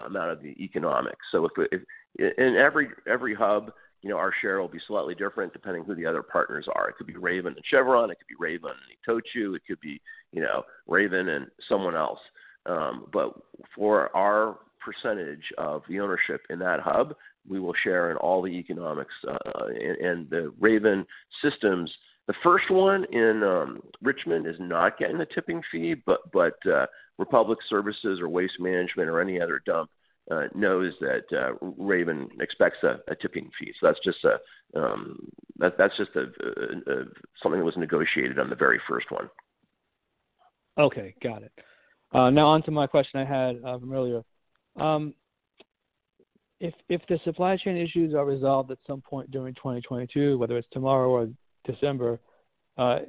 amount of the economics. In every hub, you know, our share will be slightly different depending who the other partners are. It could be Raven and Chevron, it could be Raven and ITOCHU, it could be, you know, Raven and someone else. But for our percentage of the ownership in that hub, we will share in all the economics and the Raven systems. The first one in Richmond is not getting a tipping fee, but Republic Services or Waste Management or any other dump knows that Raven expects a tipping fee. That's just something that was negotiated on the very first one. Okay, got it. Now onto my question I had earlier. If the supply chain issues are resolved at some point during 2022, whether it's tomorrow or December, is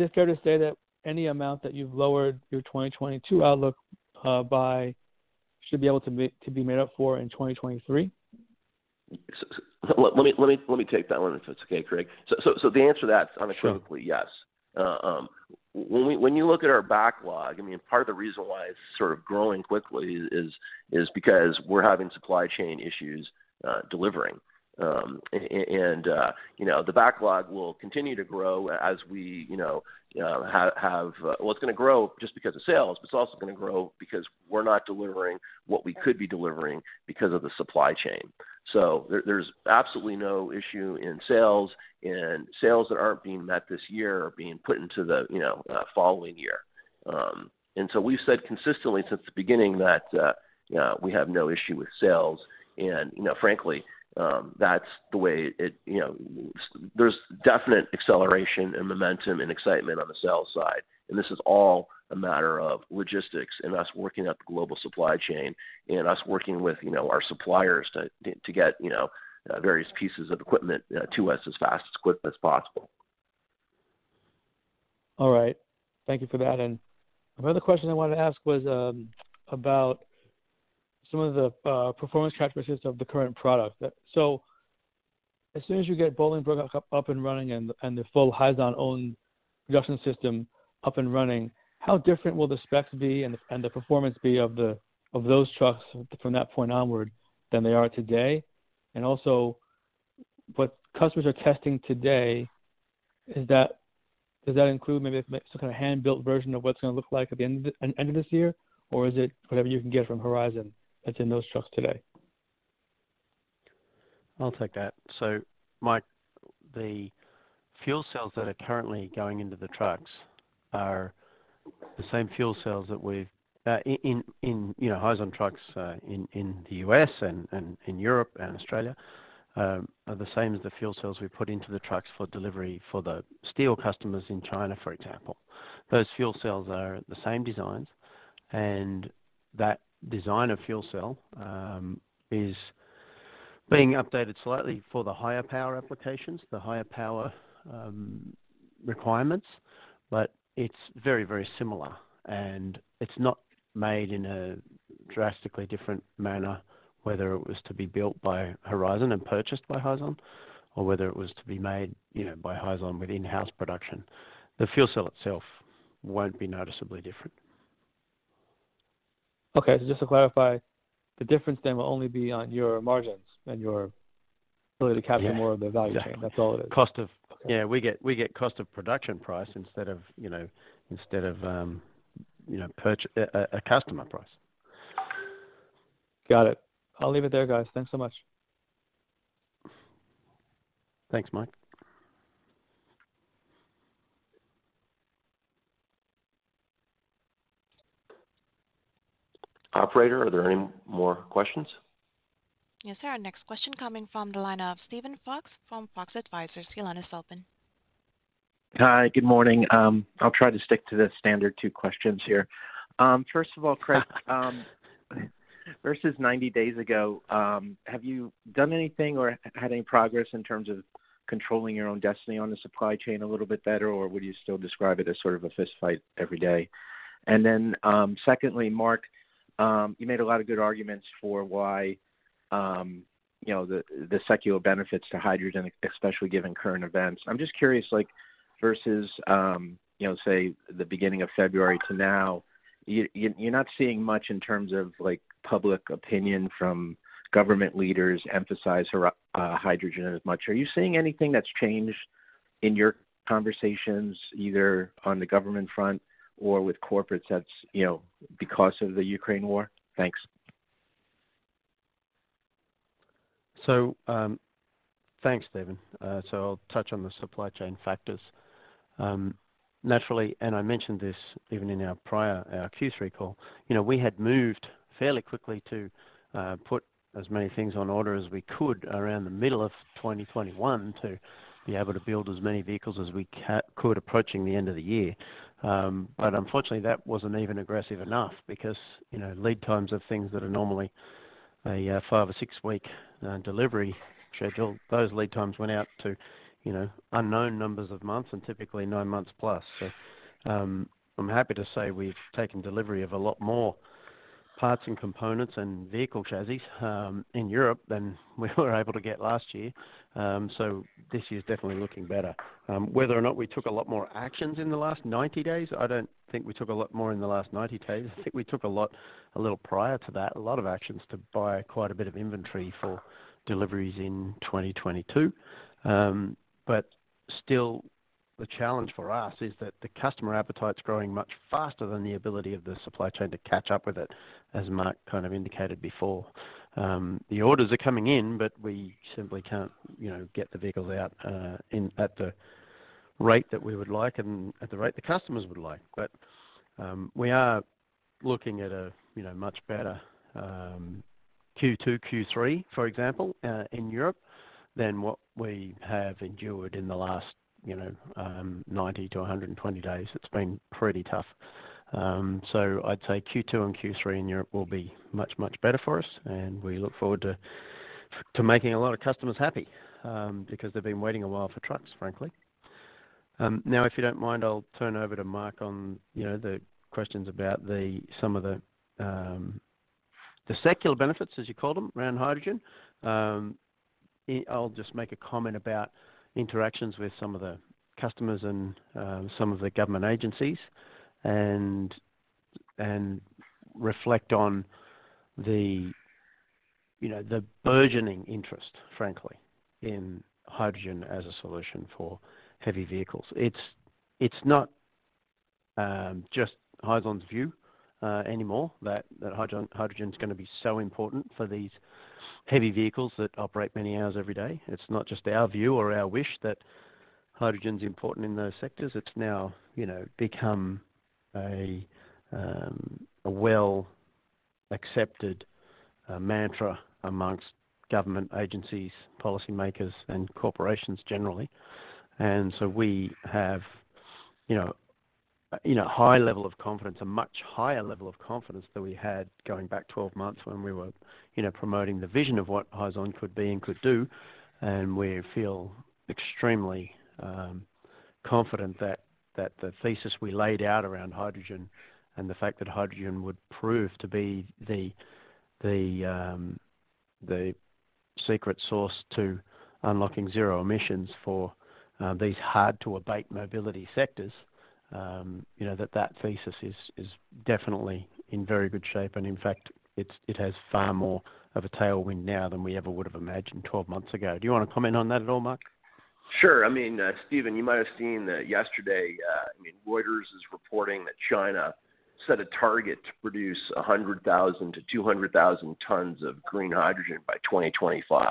it fair to say that any amount that you've lowered your 2022 outlook by should be able to be made up for in 2023? Let me take that one, if that's okay, Craig. The answer to that is unequivocally yes. Sure. When you look at our backlog, I mean, part of the reason why it's sort of growing quickly is because we're having supply chain issues delivering. You know, the backlog will continue to grow as we, you know. Well, it's gonna grow just because of sales, but it's also gonna grow because we're not delivering what we could be delivering because of the supply chain. So there's absolutely no issue in sales, and sales that aren't being met this year are being put into the following year. We've said consistently since the beginning that we have no issue with sales and, you know, frankly, that's the way it, you know. There's definite acceleration and momentum and excitement on the sales side, and this is all a matter of logistics and us working up the global supply chain and us working with, you know, our suppliers to get, you know, various pieces of equipment to us as fast, as quickly as possible. All right. Thank you for that. Another question I wanted to ask was about some of the performance characteristics of the current product. As soon as you get Bolingbrook up and running and the full Hyzon-owned production system up and running, how different will the specs be and the performance be of those trucks from that point onward than they are today? Also, what customers are testing today, does that include maybe some kind of hand-built version of what it's gonna look like at the end of this year? Or is it whatever you can get from Horizon that's in those trucks today? I'll take that. Mike, the fuel cells that are currently going into the trucks are the same fuel cells that we've in you know Hyzon trucks in the U.S. and in Europe and Australia are the same as the fuel cells we put into the trucks for delivery for the steel customers in China, for example. Those fuel cells are the same designs. That design of fuel cell is being updated slightly for the higher power applications, the higher power requirements, but it's very, very similar, and it's not made in a drastically different manner, whether it was to be built by Horizon and purchased by Hyzon or whether it was to be made you know by Hyzon in-house production. The fuel cell itself won't be noticeably different. Okay. Just to clarify, the difference then will only be on your margins and your ability to capture— Yeah. —more of the value chain. Yeah. That's all it is. Cost of— Okay. Yeah, we get cost of production price instead of, you know, instead of, a customer price. Got it. I'll leave it there, guys. Thanks so much. Thanks, Mike. Operator, are there any more questions? Yes, sir. Our next question is coming from the line of Steven Fox from Fox Advisors. Your line is open. Hi. Good morning. I'll try to stick to the standard two questions here. First of all, Craig, versus 90 days ago, have you done anything or had any progress in terms of controlling your own destiny on the supply chain a little bit better, or would you still describe it as sort of a fistfight every day? Secondly, Mark, you made a lot of good arguments for why, you know, the secular benefits to hydrogen, especially given current events. I'm just curious, like, versus, you know, say, the beginning of February to now, you're not seeing much in terms of, like, public opinion from government leaders emphasizing hydrogen as much. Are you seeing anything that's changed in your conversations? Either on the government front or with corporates that's, you know, because of the Ukraine war? Thanks. Thanks, Steven. I'll touch on the supply chain factors. Naturally, and I mentioned this even in our prior Q3 call, you know, we had moved fairly quickly to put as many things on order as we could around the middle of 2021 to be able to build as many vehicles as we could approaching the end of the year. Unfortunately, that wasn't even aggressive enough because, you know, lead times of things that are normally a five or six-week delivery schedule, those lead times went out to, you know, unknown numbers of months and typically 9+ months. I'm happy to say we've taken delivery of a lot more parts and components and vehicle chassis in Europe than we were able to get last year. This year's definitely looking better. Whether or not we took a lot more actions in the last 90 days, I don't think we took a lot more in the last 90 days. I think we took a lot a little prior to that, a lot of actions to buy quite a bit of inventory for deliveries in 2022. Still, the challenge for us is that the customer appetite's growing much faster than the ability of the supply chain to catch up with it, as Mark kind of indicated before. The orders are coming in, but we simply can't, you know, get the vehicles out at the rate that we would like and at the rate the customers would like. We are looking at a, you know, much better, Q2, Q3, for example, in Europe than what we have endured in the last, you know, 90 to 120 days. It's been pretty tough. I'd say Q2 and Q3 in Europe will be much, much better for us and we look forward to making a lot of customers happy, because they've been waiting a while for trucks, frankly. Now if you don't mind, I'll turn over to Mark on, you know, the questions about some of the secular benefits, as you called them, around hydrogen. I'll just make a comment about interactions with some of the customers and some of the government agencies and reflect on the, you know, the burgeoning interest, frankly, in hydrogen as a solution for heavy vehicles. It's not just Hyzon's view anymore that hydrogen is gonna be so important for these heavy vehicles that operate many hours every day. It's not just our view or our wish that hydrogen's important in those sectors. It's now, you know, become a well accepted mantra amongst government agencies, policymakers, and corporations generally. We have, you know, a high level of confidence, a much higher level of confidence than we had going back 12 months when we were, you know, promoting the vision of what Hyzon could be and could do, and we feel extremely confident that the thesis we laid out around hydrogen and the fact that hydrogen would prove to be the secret source to unlocking zero emissions for these hard to abate mobility sectors, you know, that thesis is definitely in very good shape and in fact, it's has far more of a tailwind now than we ever would have imagined 12 months ago. Do you wanna comment on that at all, Mark? Sure. I mean, Steven, you might have seen that yesterday, I mean, Reuters is reporting that China set a target to produce 100,000 to 200,000 tons of green hydrogen by 2025.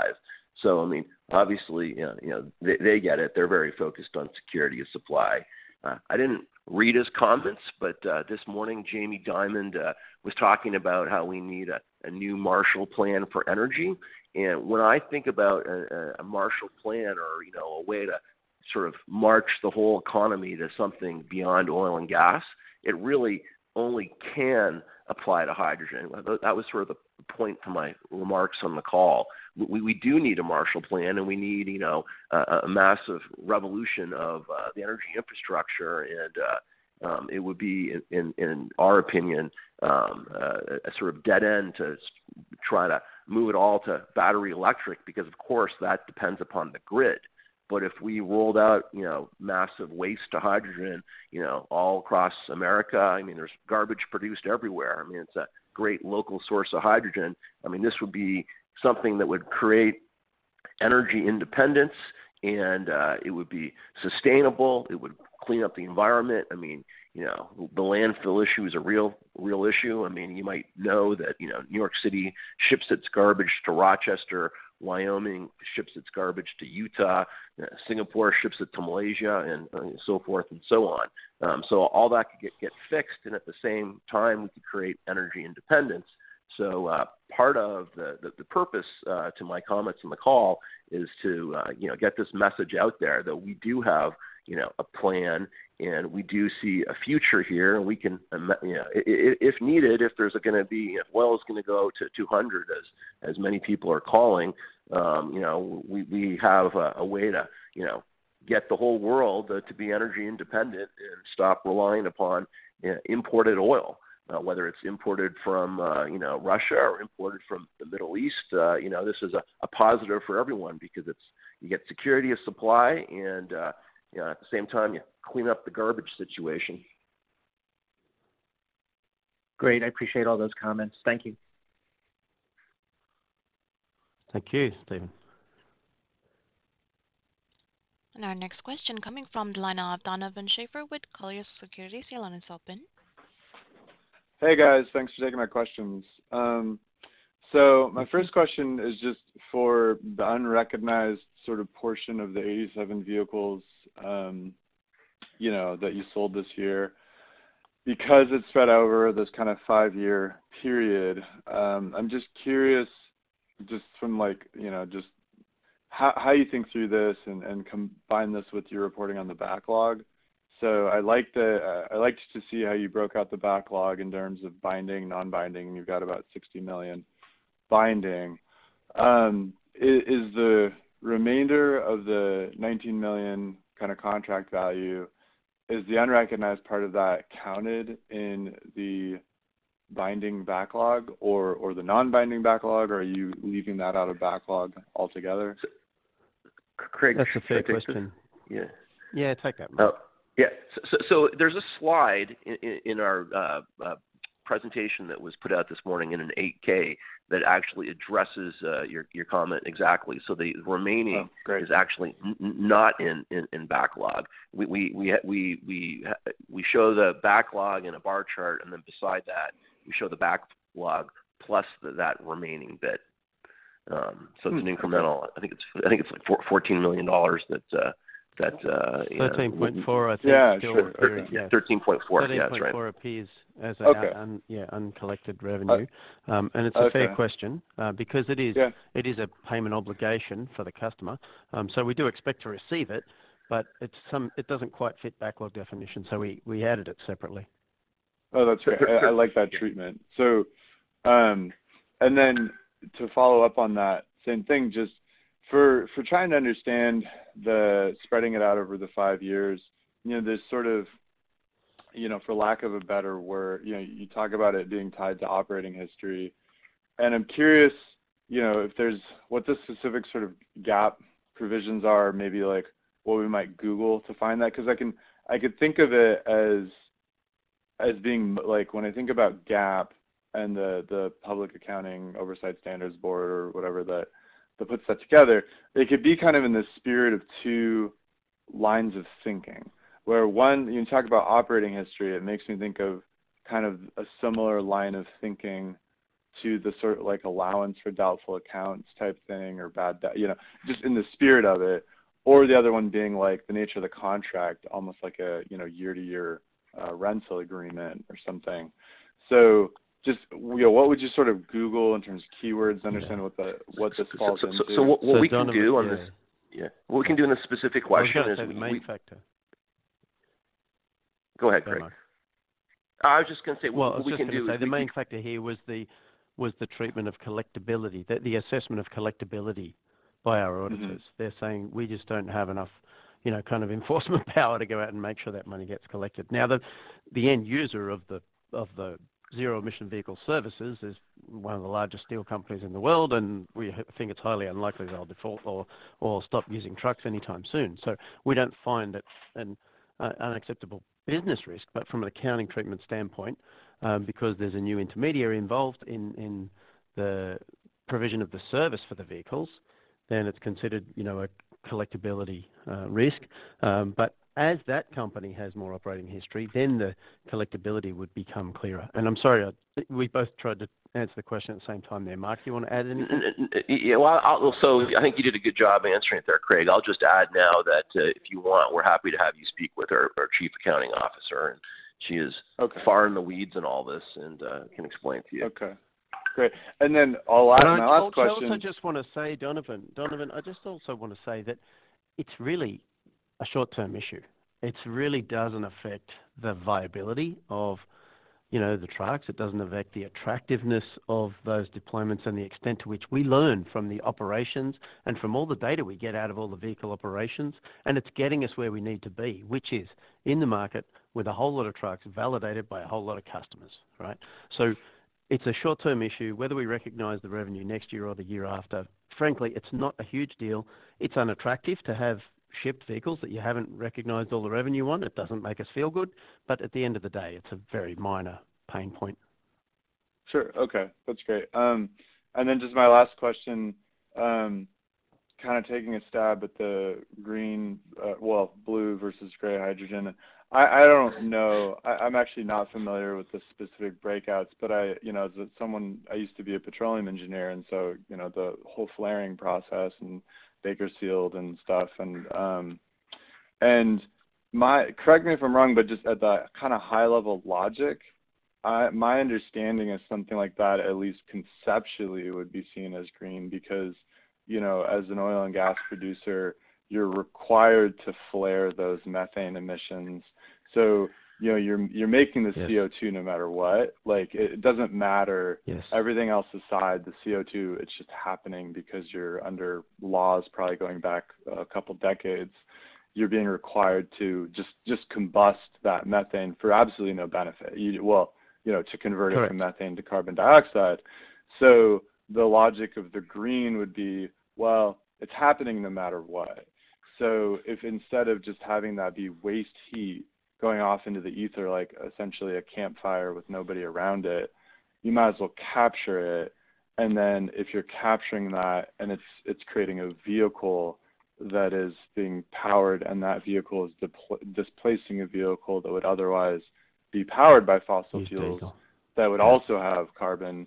I mean, obviously, you know, they get it. They're very focused on security of supply. I didn't read his comments, but this morning, Jamie Dimon was talking about how we need a new Marshall Plan for energy. When I think about a Marshall Plan or, you know, a way to sort of march the whole economy to something beyond oil and gas. It really only can apply to hydrogen. That was sort of the point to my remarks on the call. We do need a Marshall Plan, and we need, you know, a massive revolution of the energy infrastructure. It would be in our opinion a sort of dead end to try to move it all to battery electric because, of course, that depends upon the grid. If we rolled out, you know, massive waste to hydrogen, you know, all across America, I mean, there's garbage produced everywhere. I mean, it's a great local source of hydrogen. I mean, this would be something that would create energy independence and it would be sustainable. It would clean up the environment. I mean, you know, the landfill issue is a real issue. I mean, you might know that, you know, New York City ships its garbage to Rochester, Wyoming ships its garbage to Utah, Singapore ships it to Malaysia, and so forth and so on. All that could get fixed, and at the same time, we could create energy independence. Part of the purpose to my comments in the call is to, you know, get this message out there that we do have, you know, a plan, and we do see a future here, and we can, you know, if needed, if there's gonna be. If oil's gonna go to 200 as many people are calling, you know, we have a way to, you know, get the whole world to be energy independent and stop relying upon imported oil. Whether it's imported from, you know, Russia or imported from the Middle East, you know, this is a positive for everyone because you get security of supply and, you know, at the same time, you clean up the garbage situation. Great. I appreciate all those comments. Thank you. Thank you, Steven. Our next question coming from the line of Donovan Schafer with Colliers Securities. Your line is open. Hey, guys. Thanks for taking my questions. My first question is just for the unrecognized sort of portion of the 87 vehicles, you know, that you sold this year. Because it's spread over this kind of five-year period, I'm just curious just from like, you know, just how you think through this and combine this with your reporting on the backlog. I liked to see how you broke out the backlog in terms of binding, non-binding. You've got about $60 million binding. Is the remainder of the $19 million kind of contract value, is the unrecognized part of that counted in the binding backlog or the non-binding backlog, or are you leaving that out of backlog altogether? Craig— That's a fair question. Yeah. Yeah, take that, Mark. Yeah. There's a slide in our presentation that was put out this morning in an 8-K that actually addresses your comment exactly. The remaining— Oh, great. —is actually not in backlog. We show the backlog in a bar chart, and then beside that, we show the backlog plus that remaining bit. It's an incremental. I think it's like $14 million that you know— 13.4 I think still. Yeah. Yeah. $13.4 million. Yeah, that's right. $13.4 million appears as a— Okay. —yeah, uncollected revenue. Oh. And it's a fair question— Okay. Uh, because it is— Yeah. —it is a payment obligation for the customer. We do expect to receive it, but it doesn't quite fit backlog definition, so we added it separately. Oh, that's fair. I like that treatment. To follow up on that same thing, just for trying to understand spreading it out over the five years, you know, this sort of, you know, for lack of a better word, you know, you talk about it being tied to operating history. I'm curious, you know, if there's what the specific sort of GAAP provisions are, maybe like what we might Google to find that. 'Cause I could think of it as being like when I think about GAAP and the Public Accounting Oversight Board or whatever that puts that together, it could be kind of in the spirit of two lines of thinking, where one, you can talk about operating history. It makes me think of kind of a similar line of thinking to the sort of like allowance for doubtful accounts type thing or bad debt, you know, just in the spirit of it. Or the other one being like the nature of the contract, almost like a, you know, year-to-year, rental agreement or something. So just, you know, what would you sort of Google in terms of keywords to understand what this falls into? What we can do on this— Donovan, yeah. Yeah. What we can do is answer a specific question— I was gonna say the main factor— Go ahead, Craig. Sorry, Mark. I was just gonna say what we can do— Well, I was just gonna say the main factor here was the treatment of collectibility, the assessment of collectibility by our auditors. Mm-hmm. They're saying we just don't have enough, you know, kind of enforcement power to go out and make sure that money gets collected. Now, the end user of the zero-emission vehicle services is one of the largest steel companies in the world, and we think it's highly unlikely they'll default or stop using trucks anytime soon. We don't find it an unacceptable business risk. From an accounting treatment standpoint, because there's a new intermediary involved in the provision of the service for the vehicles, then it's considered, you know, a collectibility risk. As that company has more operating history, then the collectibility would become clearer. I'm sorry, we both tried to answer the question at the same time there. Mark, do you want to add anything? I think you did a good job answering it there, Craig. I'll just add now that, if you want, we're happy to have you speak with our Chief Accounting Officer. She is— Okay —far in the weeds in all this and can explain it to you. Okay. Great. I'll ask the last question— I also just want to say, Donovan. Donovan, I just want to say that it's really a short-term issue. It really doesn't affect the viability of, you know, the trucks. It doesn't affect the attractiveness of those deployments and the extent to which we learn from the operations and from all the data we get out of all the vehicle operations. It's getting us where we need to be, which is in the market with a whole lot of trucks validated by a whole lot of customers, right? It's a short-term issue. Whether we recognize the revenue next year or the year after, frankly, it's not a huge deal. It's unattractive to have shipped vehicles that you haven't recognized all the revenue on. It doesn't make us feel good, but at the end of the day, it's a very minor pain point. Sure. Okay, that's great. Just my last question, kind of taking a stab at the green, blue versus gray hydrogen. I don't know. I'm actually not familiar with the specific breakouts, but you know, as someone I used to be a petroleum engineer, you know, the whole flaring process and vapor-sealed and stuff. Correct me if I'm wrong, but just at the kinda high level logic, my understanding is something like that at least conceptually would be seen as green because, you know, as an oil and gas producer, you're required to flare those methane emissions. You know, you're making this— Yes. —CO2 no matter what. Like, it doesn't matter. Yes. Everything else aside, the CO2, it's just happening because you're under laws probably going back a couple decades. You're being required to just combust that methane for absolutely no benefit. You know, to convert it— Right. —from methane to carbon dioxide. The logic of the green would be, well, it's happening no matter what. If instead of just having that be waste heat going off into the ether, like essentially a campfire with nobody around it, you might as well capture it. Then if you're capturing that and it's creating a vehicle that is being powered, and that vehicle is displacing a vehicle that would otherwise be powered by fossil fuels. Exactly. That would also have carbon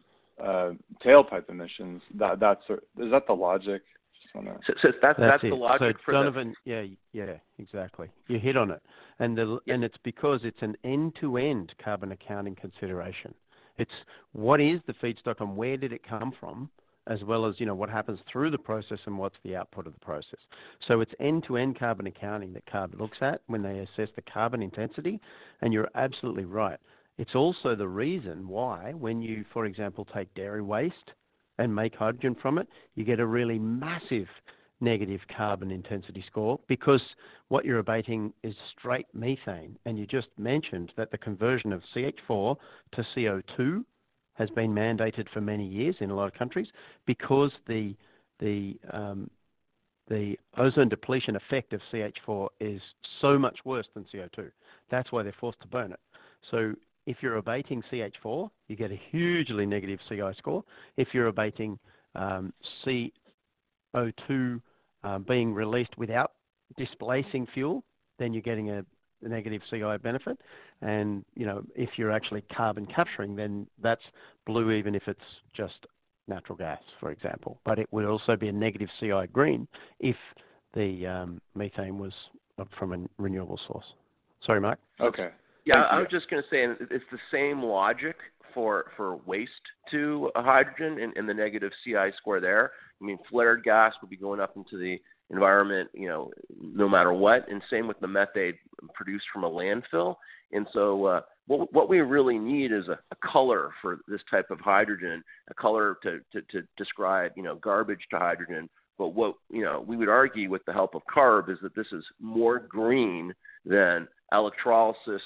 tailpipe emissions, that's. Is that the logic? Just wanna— That's the logic for this. That's it. Donovan, yeah. Yeah, exactly. You hit on it. And it's because it's an end-to-end carbon accounting consideration. It's what is the feedstock and where did it come from, as well as, you know, what happens through the process and what's the output of the process. It's end-to-end carbon accounting that CARB looks at when they assess the carbon intensity. And you're absolutely right. It's also the reason why when you, for example, take dairy waste and make hydrogen from it, you get a really massive negative carbon intensity score because what you're abating is straight methane. And you just mentioned that the conversion of CH4 to CO2 has been mandated for many years in a lot of countries because the ozone depletion effect of CH4 is so much worse than CO2. That's why they're forced to burn it. If you're abating CH4, you get a hugely negative CI score. If you're abating CO2 being released without displacing fuel, then you're getting a negative CI benefit. If you're actually carbon capturing, then that's blue, even if it's just natural gas, for example. It would also be a negative CI green if the methane was from a renewable source. Sorry, Mark. Okay. Yeah, I was just gonna say it's the same logic for waste to hydrogen and the negative CI score there. I mean, flared gas would be going up into the environment, you know, no matter what, and same with the methane produced from a landfill. What we really need is a color for this type of hydrogen, a color to describe, you know, garbage to hydrogen. But what we would argue with the help of CARB is that this is more green than electrolysis,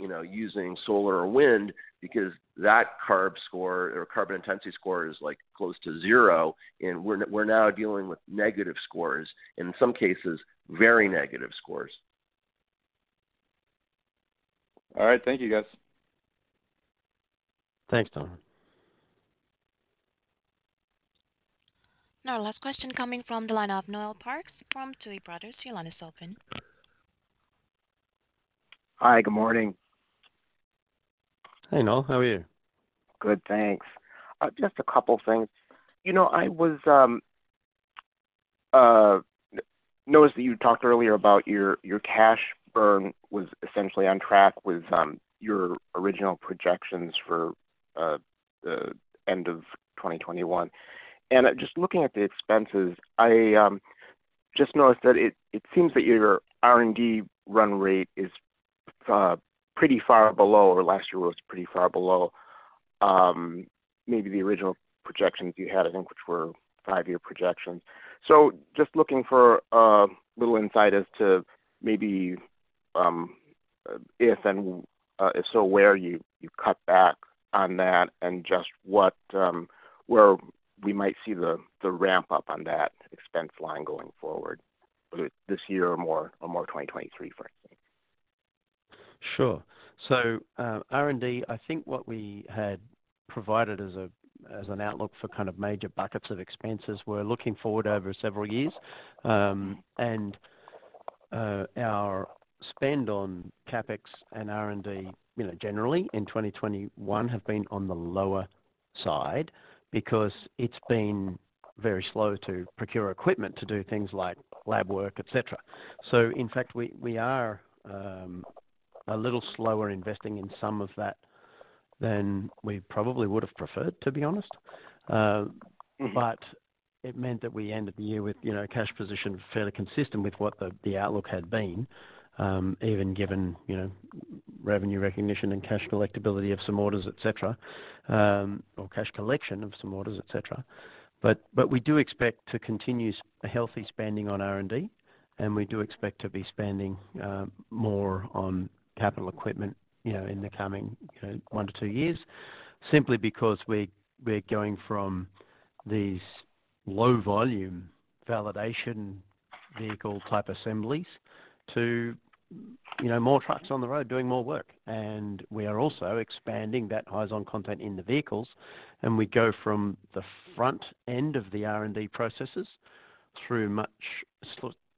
you know, using solar or wind because that CARB score or carbon intensity score is like close to zero, and we're now dealing with negative scores, in some cases, very negative scores. All right. Thank you, guys. Thanks, Donovan. Now our last question coming from the line of Noel Parks from Tuohy Brothers. Your line is open. Hi. Good morning. Hey, Noel. How are you? Good, thanks. Just a couple things. You know, I noticed that you talked earlier about your cash burn was essentially on track with your original projections for the end of 2021. Just looking at the expenses, I just noticed that it seems that your R&D run rate is pretty far below or last year was pretty far below maybe the original projections you had, I think, which were five-year projections. Just looking for a little insight as to maybe if and if so, where you cut back on that and just what where we might see the ramp-up on that expense line going forward, whether it's this year or more, or more 2023, frankly. Sure. R&D, I think what we had provided as an outlook for kind of major buckets of expenses, we're looking forward over several years. Our spend on CapEx and R&D, you know, generally in 2021 have been on the lower side because it's been very slow to procure equipment to do things like lab work, et cetera. In fact, we are a little slower investing in some of that than we probably would have preferred, to be honest. It meant that we ended the year with, you know, cash position fairly consistent with what the outlook had been, even given, you know, revenue recognition and cash collectibility of some orders, et cetera, or cash collection of some orders, et cetera. We do expect to continue a healthy spending on R&D, and we do expect to be spending more on capital equipment, you know, in the coming, you know, one to two years. Simply because we're going from these low volume validation vehicle type assemblies to, you know, more trucks on the road doing more work. We are also expanding that Hyzon content in the vehicles, and we go from the front end of the R&D processes through much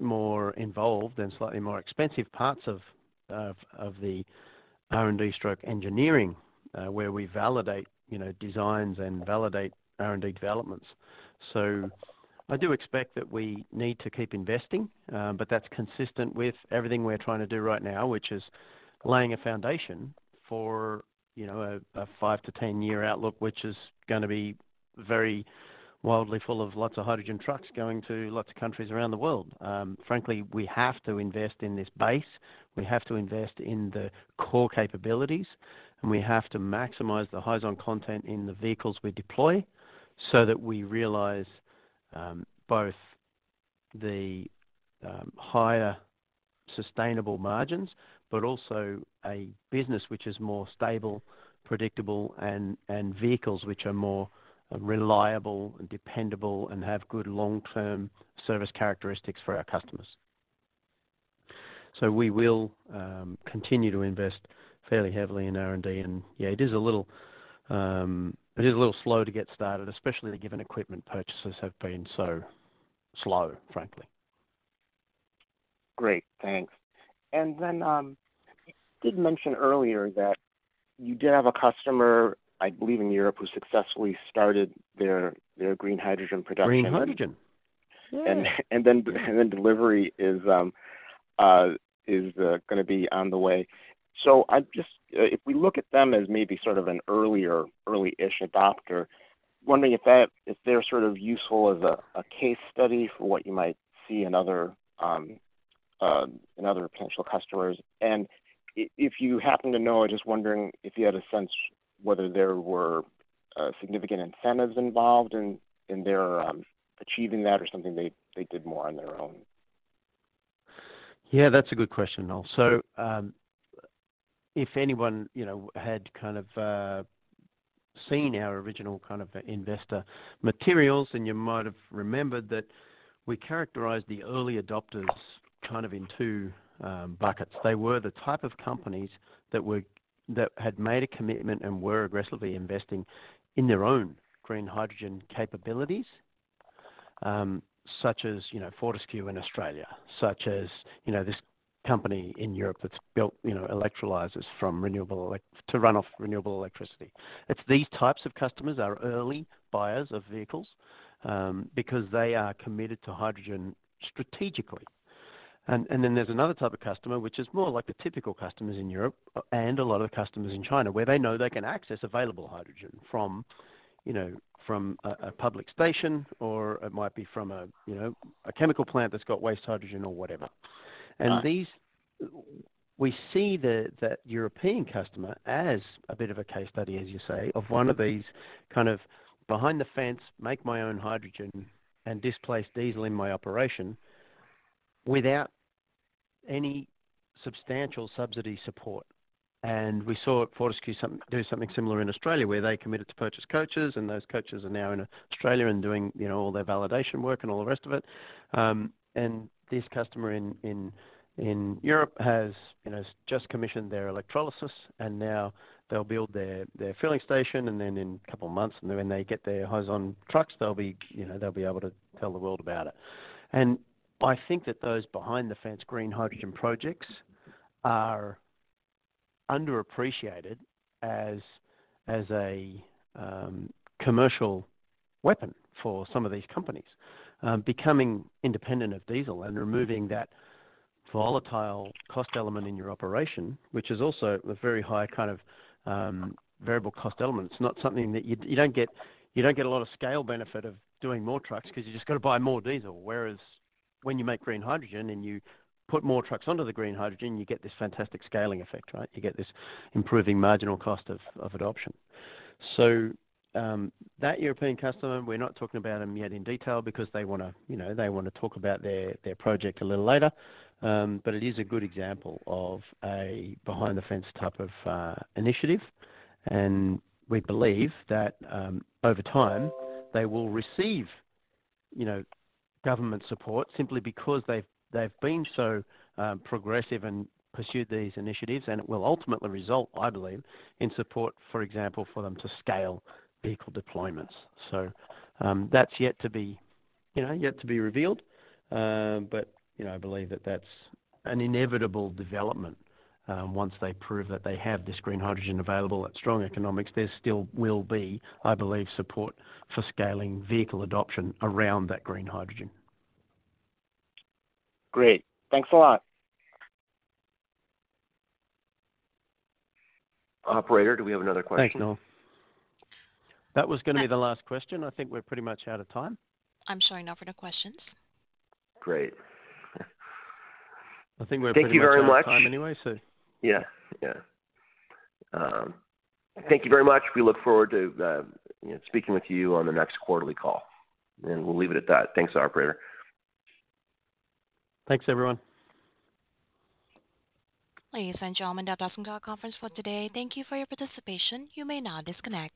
more involved and slightly more expensive parts of the R&D stack engineering, where we validate, you know, designs and validate R&D developments. I do expect that we need to keep investing, but that's consistent with everything we're trying to do right now, which is laying a foundation for, you know, a five to 10 year outlook, which is gonna be very widely full of lots of hydrogen trucks going to lots of countries around the world. Frankly, we have to invest in this base. We have to invest in the core capabilities, and we have to maximize the Hyzon content in the vehicles we deploy so that we realize both the higher sustainable margins, but also a business which is more stable, predictable and vehicles which are more reliable and dependable and have good long-term service characteristics for our customers. We will continue to invest fairly heavily in R&D. Yeah, it is a little slow to get started, especially given equipment purchases have been so slow, frankly. Great. Thanks. You did mention earlier that you did have a customer, I believe in Europe, who successfully started their green hydrogen production. Green hydrogen. Yeah. Delivery is gonna be on the way. If we look at them as maybe sort of an early-ish adopter, wondering if they're sort of useful as a case study for what you might see in other potential customers. If you happen to know, I'm just wondering if you had a sense whether there were significant incentives involved in their achieving that or something they did more on their own. Yeah, that's a good question, Noel. If anyone, you know, had kind of seen our original kind of investor materials, then you might have remembered that we characterized the early adopters kind of in two buckets. They were the type of companies that had made a commitment and were aggressively investing in their own green hydrogen capabilities, such as, you know, Fortescue in Australia, such as, you know, this company in Europe that's built, you know, electrolyzers to run off renewable electricity. It's these types of customers are early buyers of vehicles because they are committed to hydrogen strategically. There's another type of customer which is more like the typical customers in Europe and a lot of customers in China, where they know they can access available hydrogen from, you know, from a public station or it might be from a, you know, a chemical plant that's got waste hydrogen or whatever. Uh. We see the European customer as a bit of a case study, as you say, of one of these kind of behind the fence, make my own hydrogen and displace diesel in my operation without any substantial subsidy support. We saw Fortescue do something similar in Australia, where they committed to purchase coaches and those coaches are now in Australia and doing, you know, all their validation work and all the rest of it. This customer in Europe has, you know, just commissioned their electrolysis, and now they'll build their filling station and then in a couple months when they get their Hyzon trucks, they'll be, you know, able to tell the world about it. I think that those behind the fence green hydrogen projects are underappreciated as a commercial weapon for some of these companies. Becoming independent of diesel and removing that volatile cost element in your operation, which is also a very high kind of variable cost element. It's not something that you don't get a lot of scale benefit of doing more trucks 'cause you just gotta buy more diesel. Whereas when you make green hydrogen and you put more trucks onto the green hydrogen, you get this fantastic scaling effect, right? You get this improving marginal cost of adoption. That European customer, we're not talking about them yet in detail because they wanna, you know, they wanna talk about their project a little later. It is a good example of a behind the fence type of initiative. We believe that over time they will receive you know government support simply because they've been so progressive and pursued these initiatives. It will ultimately result, I believe, in support, for example, for them to scale vehicle deployments. That's yet to be revealed. You know, I believe that that's an inevitable development once they prove that they have this green hydrogen available at strong economics. There still will be, I believe, support for scaling vehicle adoption around that green hydrogen. Great. Thanks a lot. Operator, do we have another question? Thanks, Noel. That was gonna be the last question. I think we're pretty much out of time. I'm showing no further questions. Great. I think we're pretty much— Thank you very much. —out of time anyway, so. Yeah. Yeah. Thank you very much. We look forward to, you know, speaking with you on the next quarterly call. We'll leave it at that. Thanks, operator. Thanks, everyone. Ladies and gentlemen, that does end our conference for today. Thank you for your participation. You may now disconnect.